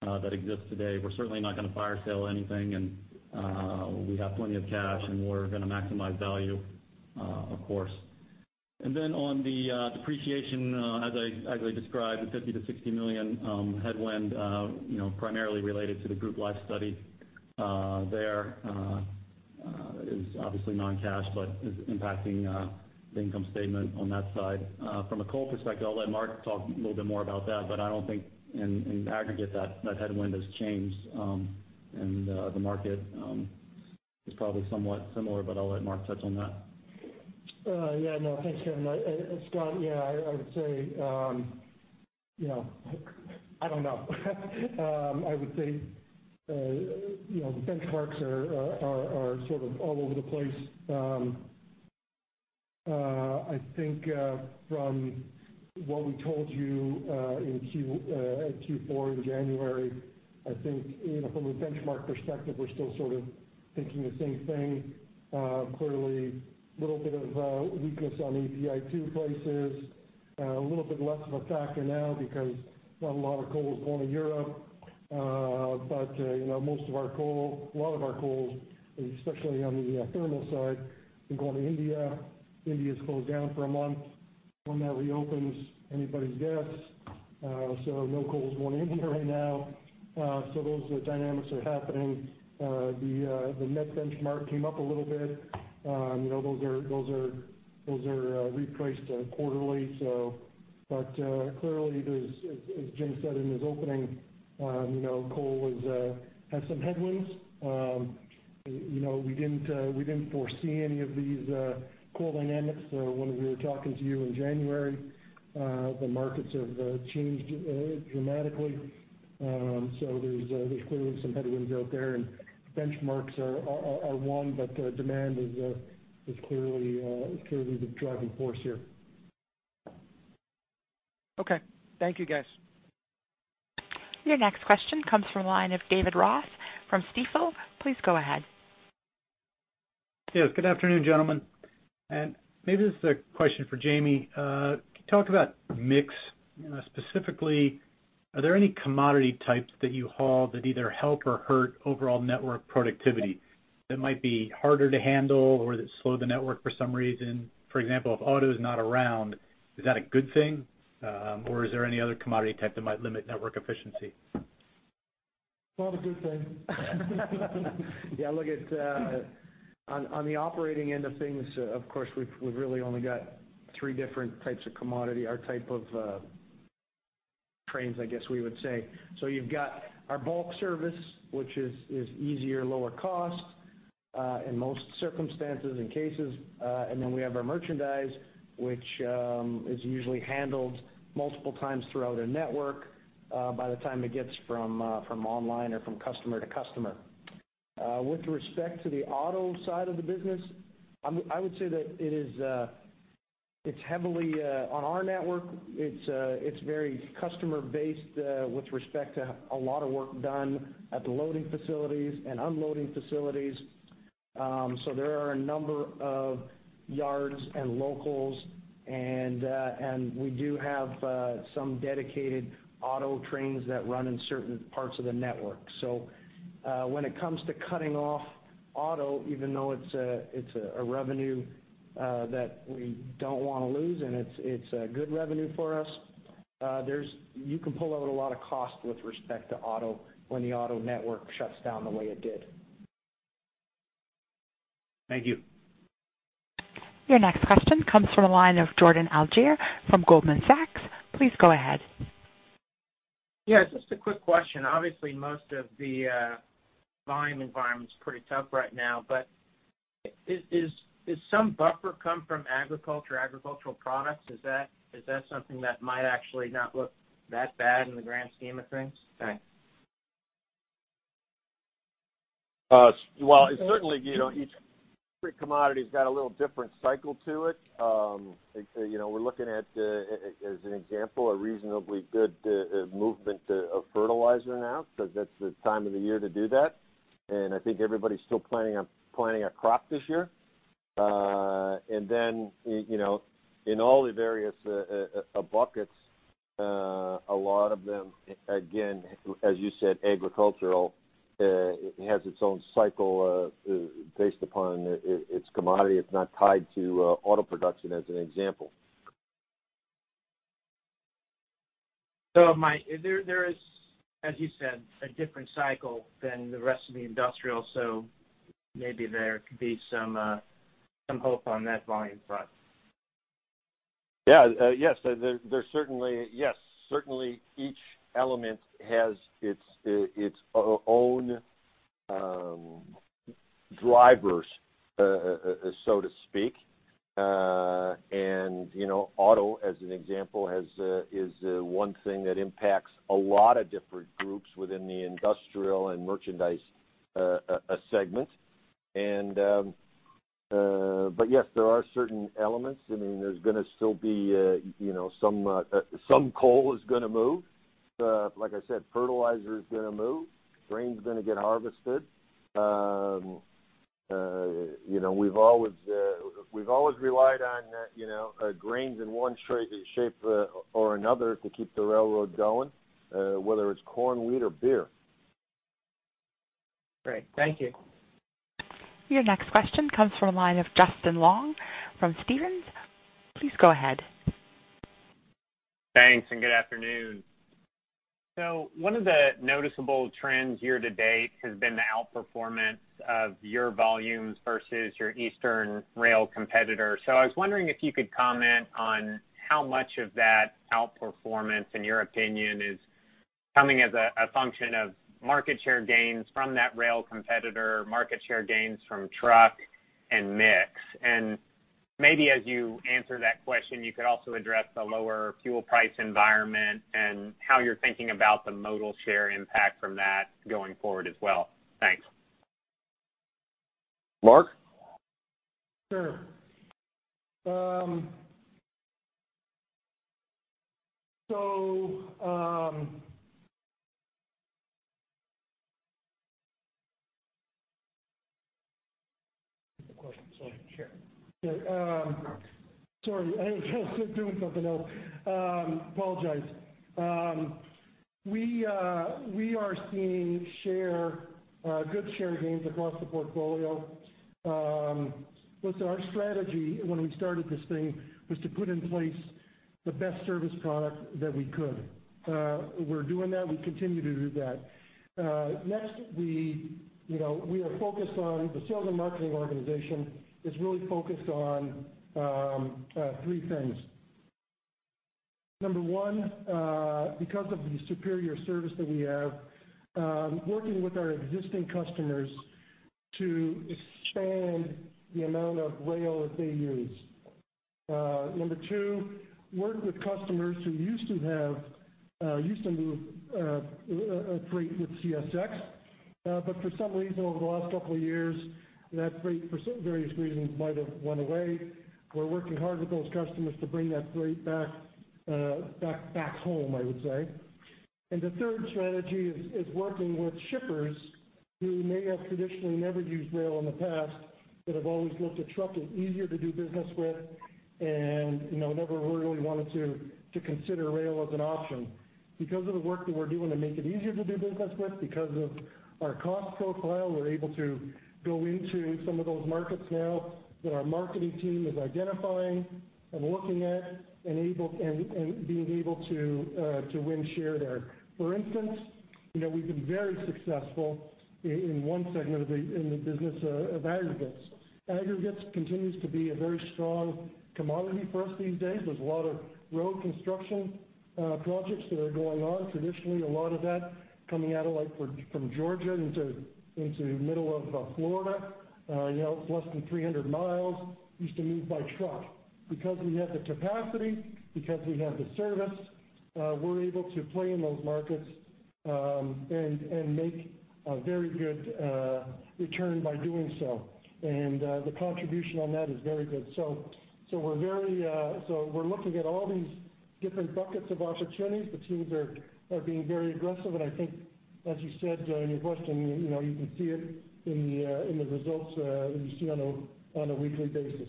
that exist today. We're certainly not going to fire sale anything, and we have plenty of cash, and we're going to maximize value, of course. On the depreciation, as I described, the $50 million to $60 million headwind, primarily related to the group life study there is obviously non-cash, but is impacting the income statement on that side. From a coal perspective, I'll let Mark talk a little bit more about that, but I don't think in aggregate that headwind has changed, and the market is probably somewhat similar, but I'll let Mark touch on that. Yeah, no, thanks Kevin. Scott, yeah, I would say, I don't know. I would say, benchmarks are sort of all over the place. I think from what we told you at Q4 in January, I think from a benchmark perspective, we're still sort of thinking the same thing. Clearly, little bit of weakness on API 2 prices. A little bit less of a factor now because not a lot of coal is going to Europe. Most of our coal, a lot of our coal, especially on the thermal side, has been going to India. India's closed down for a month. When that reopens, anybody's guess. No coal is going to India right now. Those dynamics are happening. The net benchmark came up a little bit. Those are replaced quarterly. Clearly, as Jim said in his opening, coal has some headwinds. We didn't foresee any of these coal dynamics when we were talking to you in January. The markets have changed dramatically. There's clearly some headwinds out there, and benchmarks are one, but demand is clearly the driving force here. Okay. Thank you, guys. Your next question comes from the line of David Ross from Stifel. Please go ahead. Yes, good afternoon, gentlemen. Maybe this is a question for Jamie. Can you talk about mix, specifically, are there any commodity types that you haul that either help or hurt overall network productivity, that might be harder to handle or that slow the network for some reason? For example, if auto is not around, is that a good thing? Is there any other commodity type that might limit network efficiency? It's probably a good thing. Look, on the operating end of things, of course, we've really only got three different types of commodity, or type of trains, I guess we would say. You've got our bulk service, which is easier, lower cost in most circumstances and cases. Then we have our merchandise, which is usually handled multiple times throughout a network, by the time it gets from online or from customer to customer. With respect to the auto side of the business, I would say that it's heavily on our network. It's very customer based with respect to a lot of work done at the loading facilities and unloading facilities. There are a number of yards and locals, and we do have some dedicated auto trains that run in certain parts of the network. When it comes to cutting off auto, even though it's a revenue that we don't want to lose and it's a good revenue for us, you can pull out a lot of cost with respect to auto when the auto network shuts down the way it did. Thank you. Your next question comes from the line of Jordan Alliger from Goldman Sachs. Please go ahead. Yeah, just a quick question. Obviously, most of the volume environment's pretty tough right now, but does some buffer come from agriculture, agricultural products? Is that something that might actually not look that bad in the grand scheme of things? Thanks. Well, certainly, each commodity's got a little different cycle to it. We're looking at, as an example, a reasonably good movement of fertilizer now, because that's the time of the year to do that, and I think everybody's still planning on planting a crop this year. In all the various buckets, a lot of them, again, as you said, agricultural has its own cycle based upon its commodity. It's not tied to auto production as an example. There is, as you said, a different cycle than the rest of the industrial, so maybe there could be some hope on that volume front. Yeah. Yes, certainly each element has its own drivers, so to speak. Auto, as an example, is one thing that impacts a lot of different groups within the industrial and merchandise segment. Yes, there are certain elements. There's going to still be some coal is going to move. Like I said, fertilizer's going to move, grain's going to get harvested. We've always relied on grains in one shape or another to keep the railroad going, whether it's corn, wheat, or beer. Great. Thank you. Your next question comes from the line of Justin Long from Stephens. Please go ahead. Thanks. Good afternoon. One of the noticeable trends year-to-date has been the outperformance of your volumes versus your eastern rail competitor. I was wondering if you could comment on how much of that outperformance, in your opinion, is coming as a function of market share gains from that rail competitor, market share gains from truck and mix. Maybe as you answer that question, you could also address the lower fuel price environment and how you're thinking about the modal share impact from that going forward as well. Thanks. Mark? Sure. The question, so I can share. Sorry, I was doing something else. Apologize. We are seeing good share gains across the portfolio. Listen, our strategy when we started this thing was to put in place the best service product that we could. We're doing that, we continue to do that. Next, the sales and marketing organization is really focused on three things. Number one, because of the superior service that we have, working with our existing customers to expand the amount of rail that they use. Number two, work with customers who used to move freight with CSX, but for some reason, over the last couple of years, that freight for various reasons might have went away. We're working hard with those customers to bring that freight back home, I would say. The third strategy is working with shippers who may have traditionally never used rail in the past, that have always looked at truck as easier to do business with, and never really wanted to consider rail as an option. Because of the work that we're doing to make it easier to do business with, because of our cost profile, we're able to go into some of those markets now that our marketing team is identifying and looking at, and being able to win share there. For instance, we've been very successful in one segment in the business of aggregates. Aggregates continues to be a very strong commodity for us these days. There's a lot of road construction projects that are going on. Traditionally, a lot of that coming out from Georgia into middle of Florida. It's less than 300 miles, used to move by truck. Because we have the capacity, because we have the service, we're able to play in those markets, and make a very good return by doing so. The contribution on that is very good. We're looking at all these different buckets of opportunities. The teams are being very aggressive, and I think as you said during your question, you can see it in the results that you see on a weekly basis.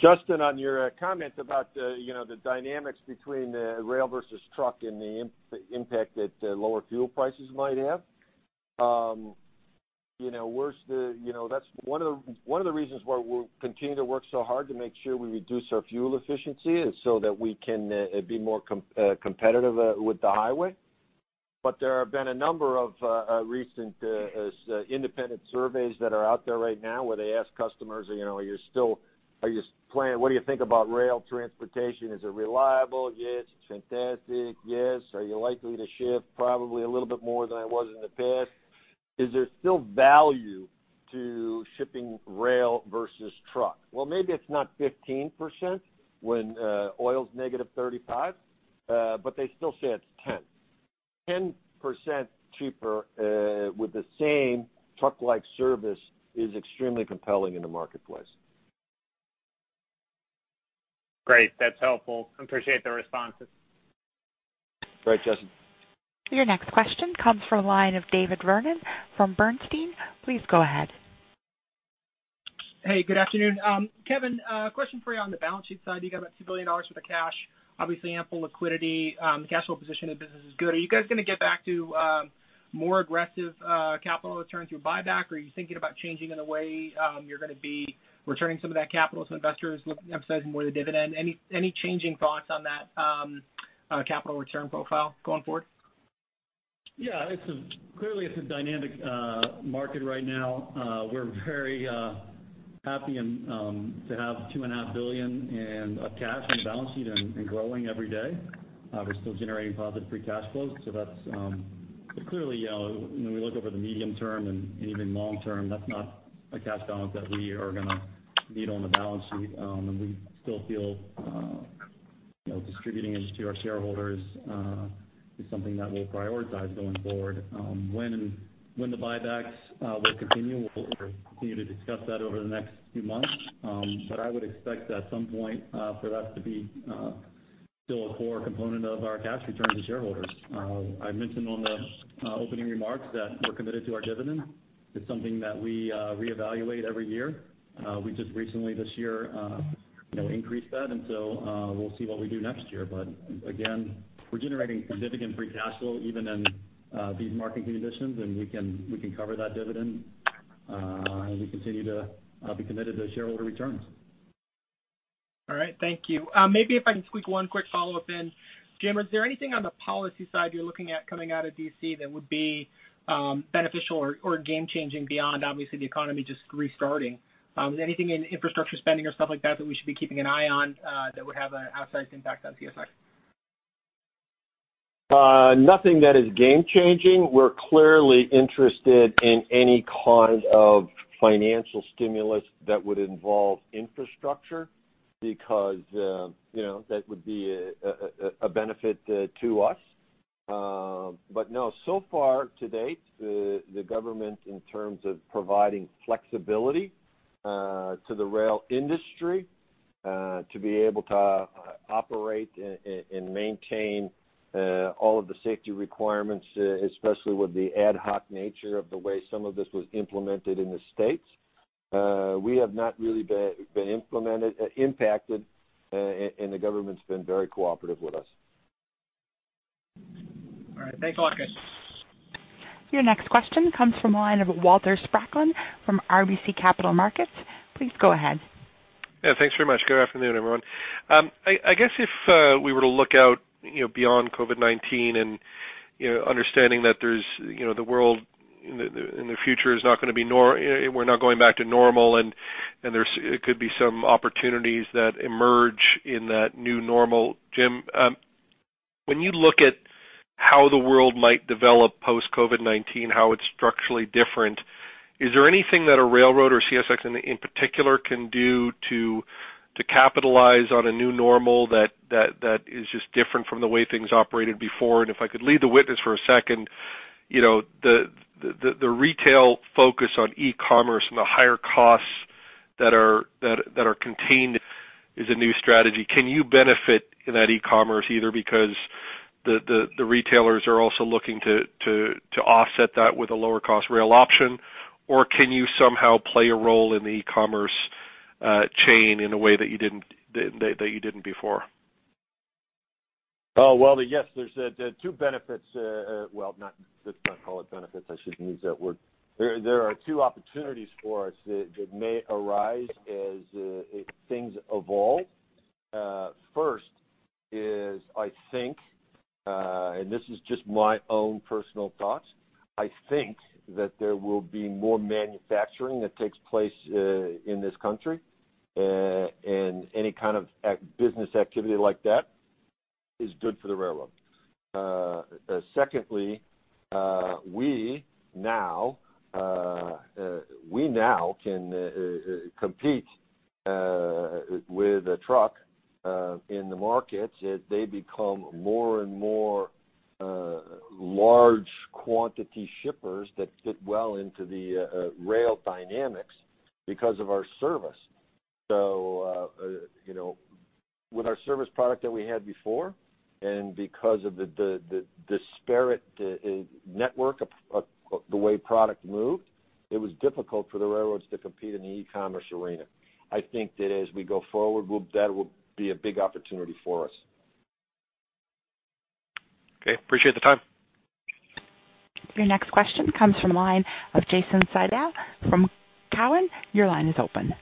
Justin, on your comment about the dynamics between the rail versus truck and the impact that lower fuel prices might have. One of the reasons why we continue to work so hard to make sure we reduce our fuel efficiency is so that we can be more competitive with the highway. There have been a number of recent independent surveys that are out there right now where they ask customers, "What do you think about rail transportation? Is it reliable?" "Yes." "Fantastic?" "Yes." "Are you likely to shift?" "Probably a little bit more than I was in the past." Is there still value to shipping rail versus truck? Maybe it's not 15% when oil's -35, but they still say it's 10%. 10% cheaper with the same truck-like service is extremely compelling in the marketplace. Great. That's helpful. Appreciate the responses. Great, Justin. Your next question comes from the line of David Vernon from Bernstein. Please go ahead. Hey, good afternoon. Kevin, a question for you on the balance sheet side. You got about $2 billion worth of cash, obviously ample liquidity. The cash flow position of the business is good. Are you guys going to get back to more aggressive capital returns through buyback? Are you thinking about changing in the way you're going to be returning some of that capital to investors, emphasizing more of the dividend? Any changing thoughts on that capital return profile going forward? Yeah. Clearly, it's a dynamic market right now. We're very happy to have $2.5 billion in cash on the balance sheet and growing every day. We're still generating positive free cash flow. Clearly, when we look over the medium term and even long term, that's not a cash balance that we are going to need on the balance sheet. We still feel distributing it to our shareholders is something that we'll prioritize going forward. When the buybacks will continue, we'll continue to discuss that over the next few months. I would expect at some point for that to be still a core component of our cash return to shareholders. I mentioned on the opening remarks that we're committed to our dividend. It's something that we reevaluate every year. We just recently this year increase that. We'll see what we do next year. Again, we're generating significant free cash clow even in these market conditions, and we can cover that dividend. We continue to be committed to shareholder returns. All right. Thank you. Maybe if I can squeak one quick follow-up in. Jim, is there anything on the policy side you're looking at coming out of D.C. that would be beneficial or game-changing beyond, obviously, the economy just restarting? Is there anything in infrastructure spending or stuff like that we should be keeping an eye on that would have an outsized impact on CSX? Nothing that is game-changing. We're clearly interested in any kind of financial stimulus that would involve infrastructure because that would be a benefit to us. No, so far to date, the government in terms of providing flexibility to the rail industry to be able to operate and maintain all of the safety requirements, especially with the ad hoc nature of the way some of this was implemented in the U.S., we have not really been impacted, and the government's been very cooperative with us. All right. Thanks a lot, guys. Your next question comes from the line of Walter Spracklin from RBC Capital Markets. Please go ahead. Yeah. Thanks very much. Good afternoon, everyone. I guess if we were to look out beyond COVID-19 and understanding that the world in the future is not going to be normal, we're not going back to normal, and there could be some opportunities that emerge in that new normal. Jim, when you look at how the world might develop post-COVID-19, how it's structurally different, is there anything that a railroad or CSX in particular can do to capitalize on a new normal that is just different from the way things operated before? If I could lead the witness for a second, the retail focus on e-commerce and the higher costs that are contained is a new strategy. Can you benefit in that e-commerce either because the retailers are also looking to offset that with a lower cost rail option, or can you somehow play a role in the e-commerce chain in a way that you didn't before? Well, yes. There's two benefits-- Well, let's not call it benefits. I shouldn't use that word. There are two opportunities for us that may arise as things evolve. First is, I think, and this is just my own personal thoughts, I think that there will be more manufacturing that takes place in this country. Any kind of business activity like that is good for the railroad. Secondly, we now can compete with a truck in the market as they become more and more large quantity shippers that fit well into the rail dynamics because of our service. With our service product that we had before, and because of the disparate network of the way product moved, it was difficult for the railroads to compete in the e-commerce arena. I think that as we go forward, that will be a big opportunity for us. Okay. Appreciate the time. Your next question comes from the line of Jason Seidl from Cowen. Your line is open.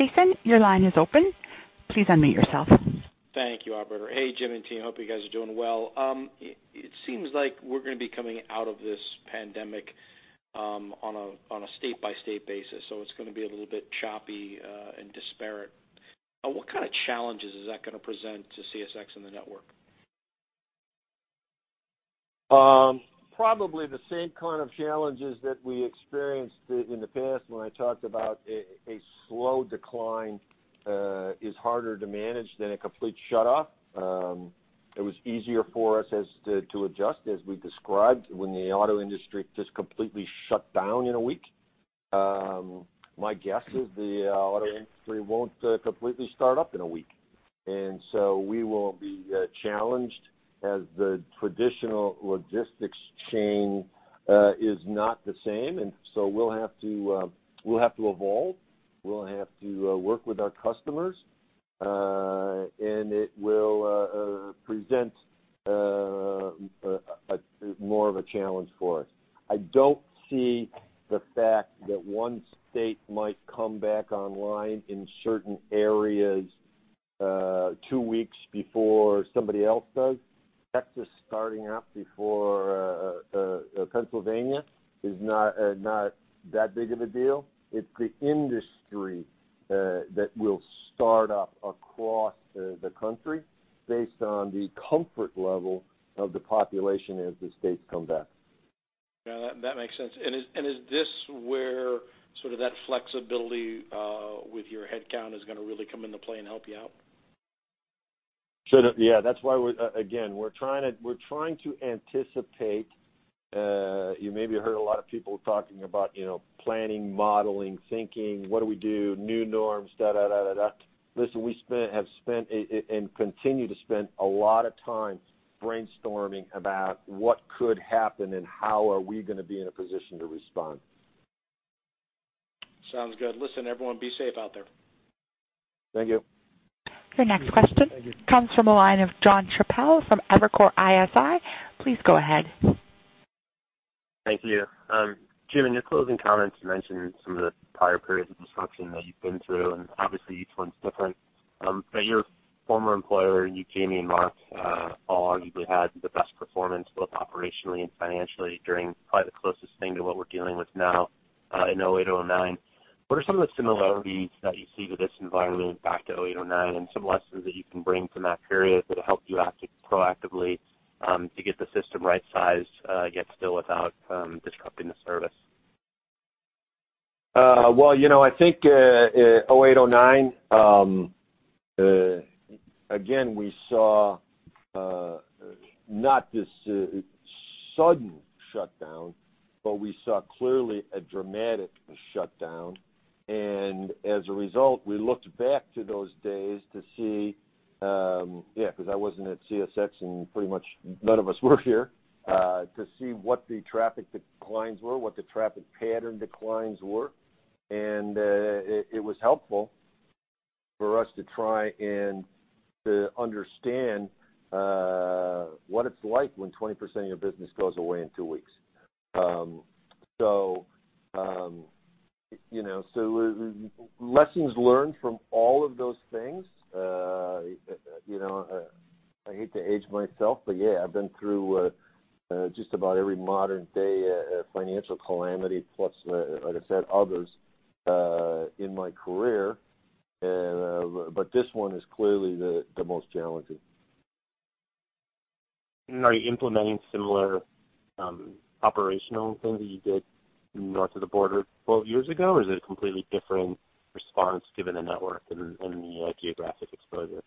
Jason, your line is open. Please unmute yourself. Thank you, operator. Hey, Jim and team. Hope you guys are doing well. It seems like we're going to be coming out of this pandemic on a state-by-state basis, so it's going to be a little bit choppy and disparate. What kind of challenges is that going to present to CSX and the network? Probably the same kind of challenges that we experienced in the past when I talked about a slow decline is harder to manage than a complete shutoff. It was easier for us to adjust, as we described, when the auto industry just completely shut down in a week. My guess is the auto industry won't completely start up in a week, and so we will be challenged as the traditional logistics chain is not the same, and so we'll have to evolve. We'll have to work with our customers, and it will present more of a challenge for us. I don't see the fact that one state might come back online in certain areas two weeks before somebody else does. Texas starting up before Pennsylvania is not that big of a deal. It's the industry that will start up across the country based on the comfort level of the population as the states come back. Yeah, that makes sense. Is this where sort of that flexibility with your headcount is going to really come into play and help you out? Yeah. That's why, again, we're trying to anticipate. You maybe heard a lot of people talking about planning, modeling, thinking, what do we do, new norms, da, da, da. Listen, we have spent and continue to spend a lot of time brainstorming about what could happen and how are we going to be in a position to respond. Sounds good. Listen, everyone, be safe out there. Thank you. Your next question comes from the line of Jon Chappell from Evercore ISI. Please go ahead. Thank you. Jim, in your closing comments, you mentioned some of the prior periods of disruption that you've been through, and obviously each one's different. Your former employer, you, Jamie, and Mark all arguably had the best performance, both operationally and financially, during probably the closest thing to what we're dealing with now in 2008, 2009. What are some of the similarities that you see to this environment back to 2008, 2009, and some lessons that you can bring from that period that help you proactively to get the system right-sized, yet still without disrupting the service? I think 2008, 2009, again, we saw not this sudden shutdown, but we saw clearly a dramatic shutdown. As a result, we looked back to those days to see, because I wasn't at CSX and pretty much none of us were here, to see what the traffic declines were, what the traffic pattern declines were. It was helpful for us to try and to understand what it's like when 20% of your business goes away in two weeks. Lessons learned from all of those things. I hate to age myself, but yeah, I've been through just about every modern-day financial calamity plus, like I said, others in my career. This one is clearly the most challenging. Are you implementing similar operational things that you did north of the border 12 years ago? Or is it a completely different response given the network and the geographic exposure?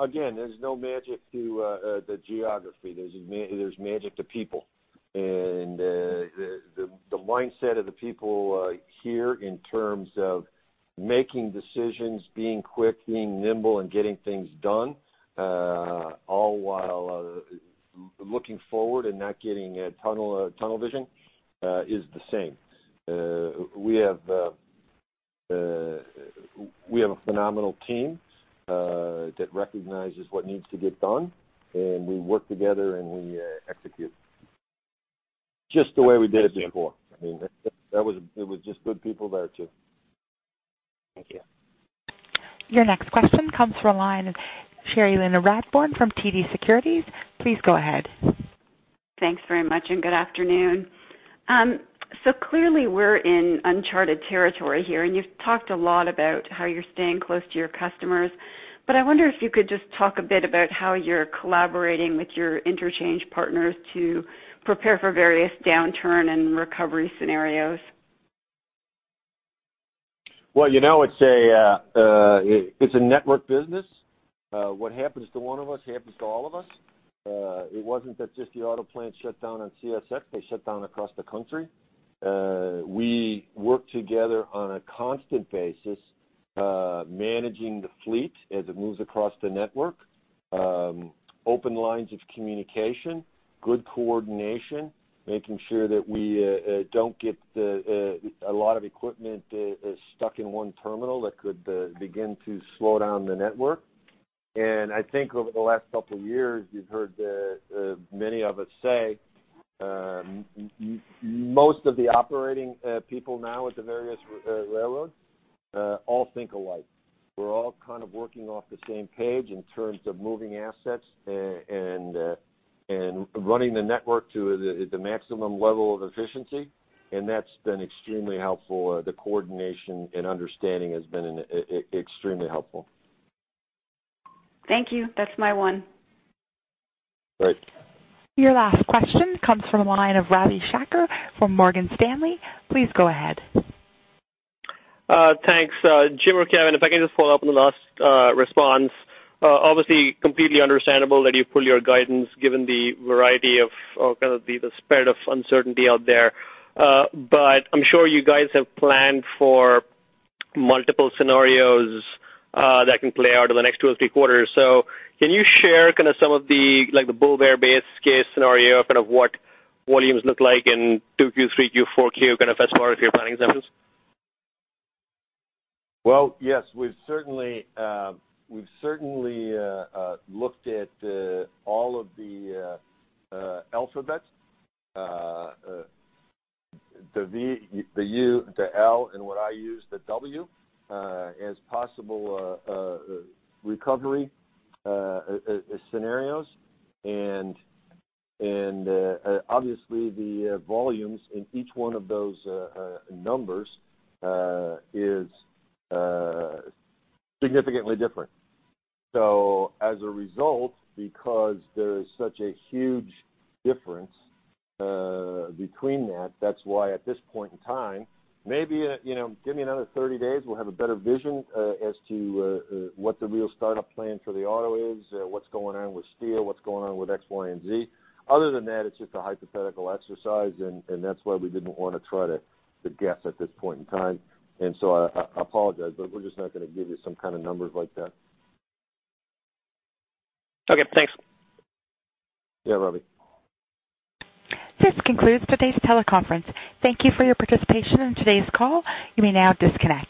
Again, there's no magic to the geography. There's magic to people. The mindset of the people here in terms of making decisions, being quick, being nimble, and getting things done, all while looking forward and not getting tunnel vision, is the same. We have a phenomenal team that recognizes what needs to get done, and we work together, and we execute. Just the way we did it before. It was just good people there, too. Thank you. Your next question comes from the line of Cherilyn Radbourne from TD Securities. Please go ahead. Thanks very much, good afternoon. Clearly, we're in uncharted territory here, and you've talked a lot about how you're staying close to your customers. I wonder if you could just talk a bit about how you're collaborating with your interchange partners to prepare for various downturn and recovery scenarios. Well, it's a network business. What happens to one of us happens to all of us. It wasn't that just the auto plants shut down on CSX, they shut down across the country. We work together on a constant basis, managing the fleet as it moves across the network. Open lines of communication, good coordination, making sure that we don't get a lot of equipment stuck in one terminal that could begin to slow down the network. I think over the last couple of years, you've heard many of us say, most of the operating people now at the various railroads all think alike. We're all kind of working off the same page in terms of moving assets and running the network to the maximum level of efficiency, and that's been extremely helpful. The coordination and understanding has been extremely helpful. Thank you. That's my one. Great. Your last question comes from the line of Ravi Shanker from Morgan Stanley. Please go ahead. Thanks. Jim or Kevin, if I can just follow up on the last response. Obviously, completely understandable that you pulled your guidance given the variety of the spread of uncertainty out there. I'm sure you guys have planned for multiple scenarios that can play out in the next two or three quarters. Can you share some of the bull/bear base case scenario, kind of what volumes look like in 2Q, 3Q, 4Q, kind of as far as your planning assumptions? Well, yes. We've certainly looked at all of the alphabets, the V, the U, the L, and what I use, the W, as possible recovery scenarios. Obviously, the volumes in each one of those numbers is significantly different. As a result, because there is such a huge difference between that's why at this point in time, maybe give me another 30 days, we'll have a better vision as to what the real startup plan for the auto is, what's going on with steel, what's going on with X, Y, and Z. Other than that, it's just a hypothetical exercise, and that's why we didn't want to try to guess at this point in time. I apologize, but we're just not going to give you some kind of numbers like that. Okay, thanks. Yeah, Ravi. This concludes today's teleconference. Thank you for your participation in today's call. You may now disconnect.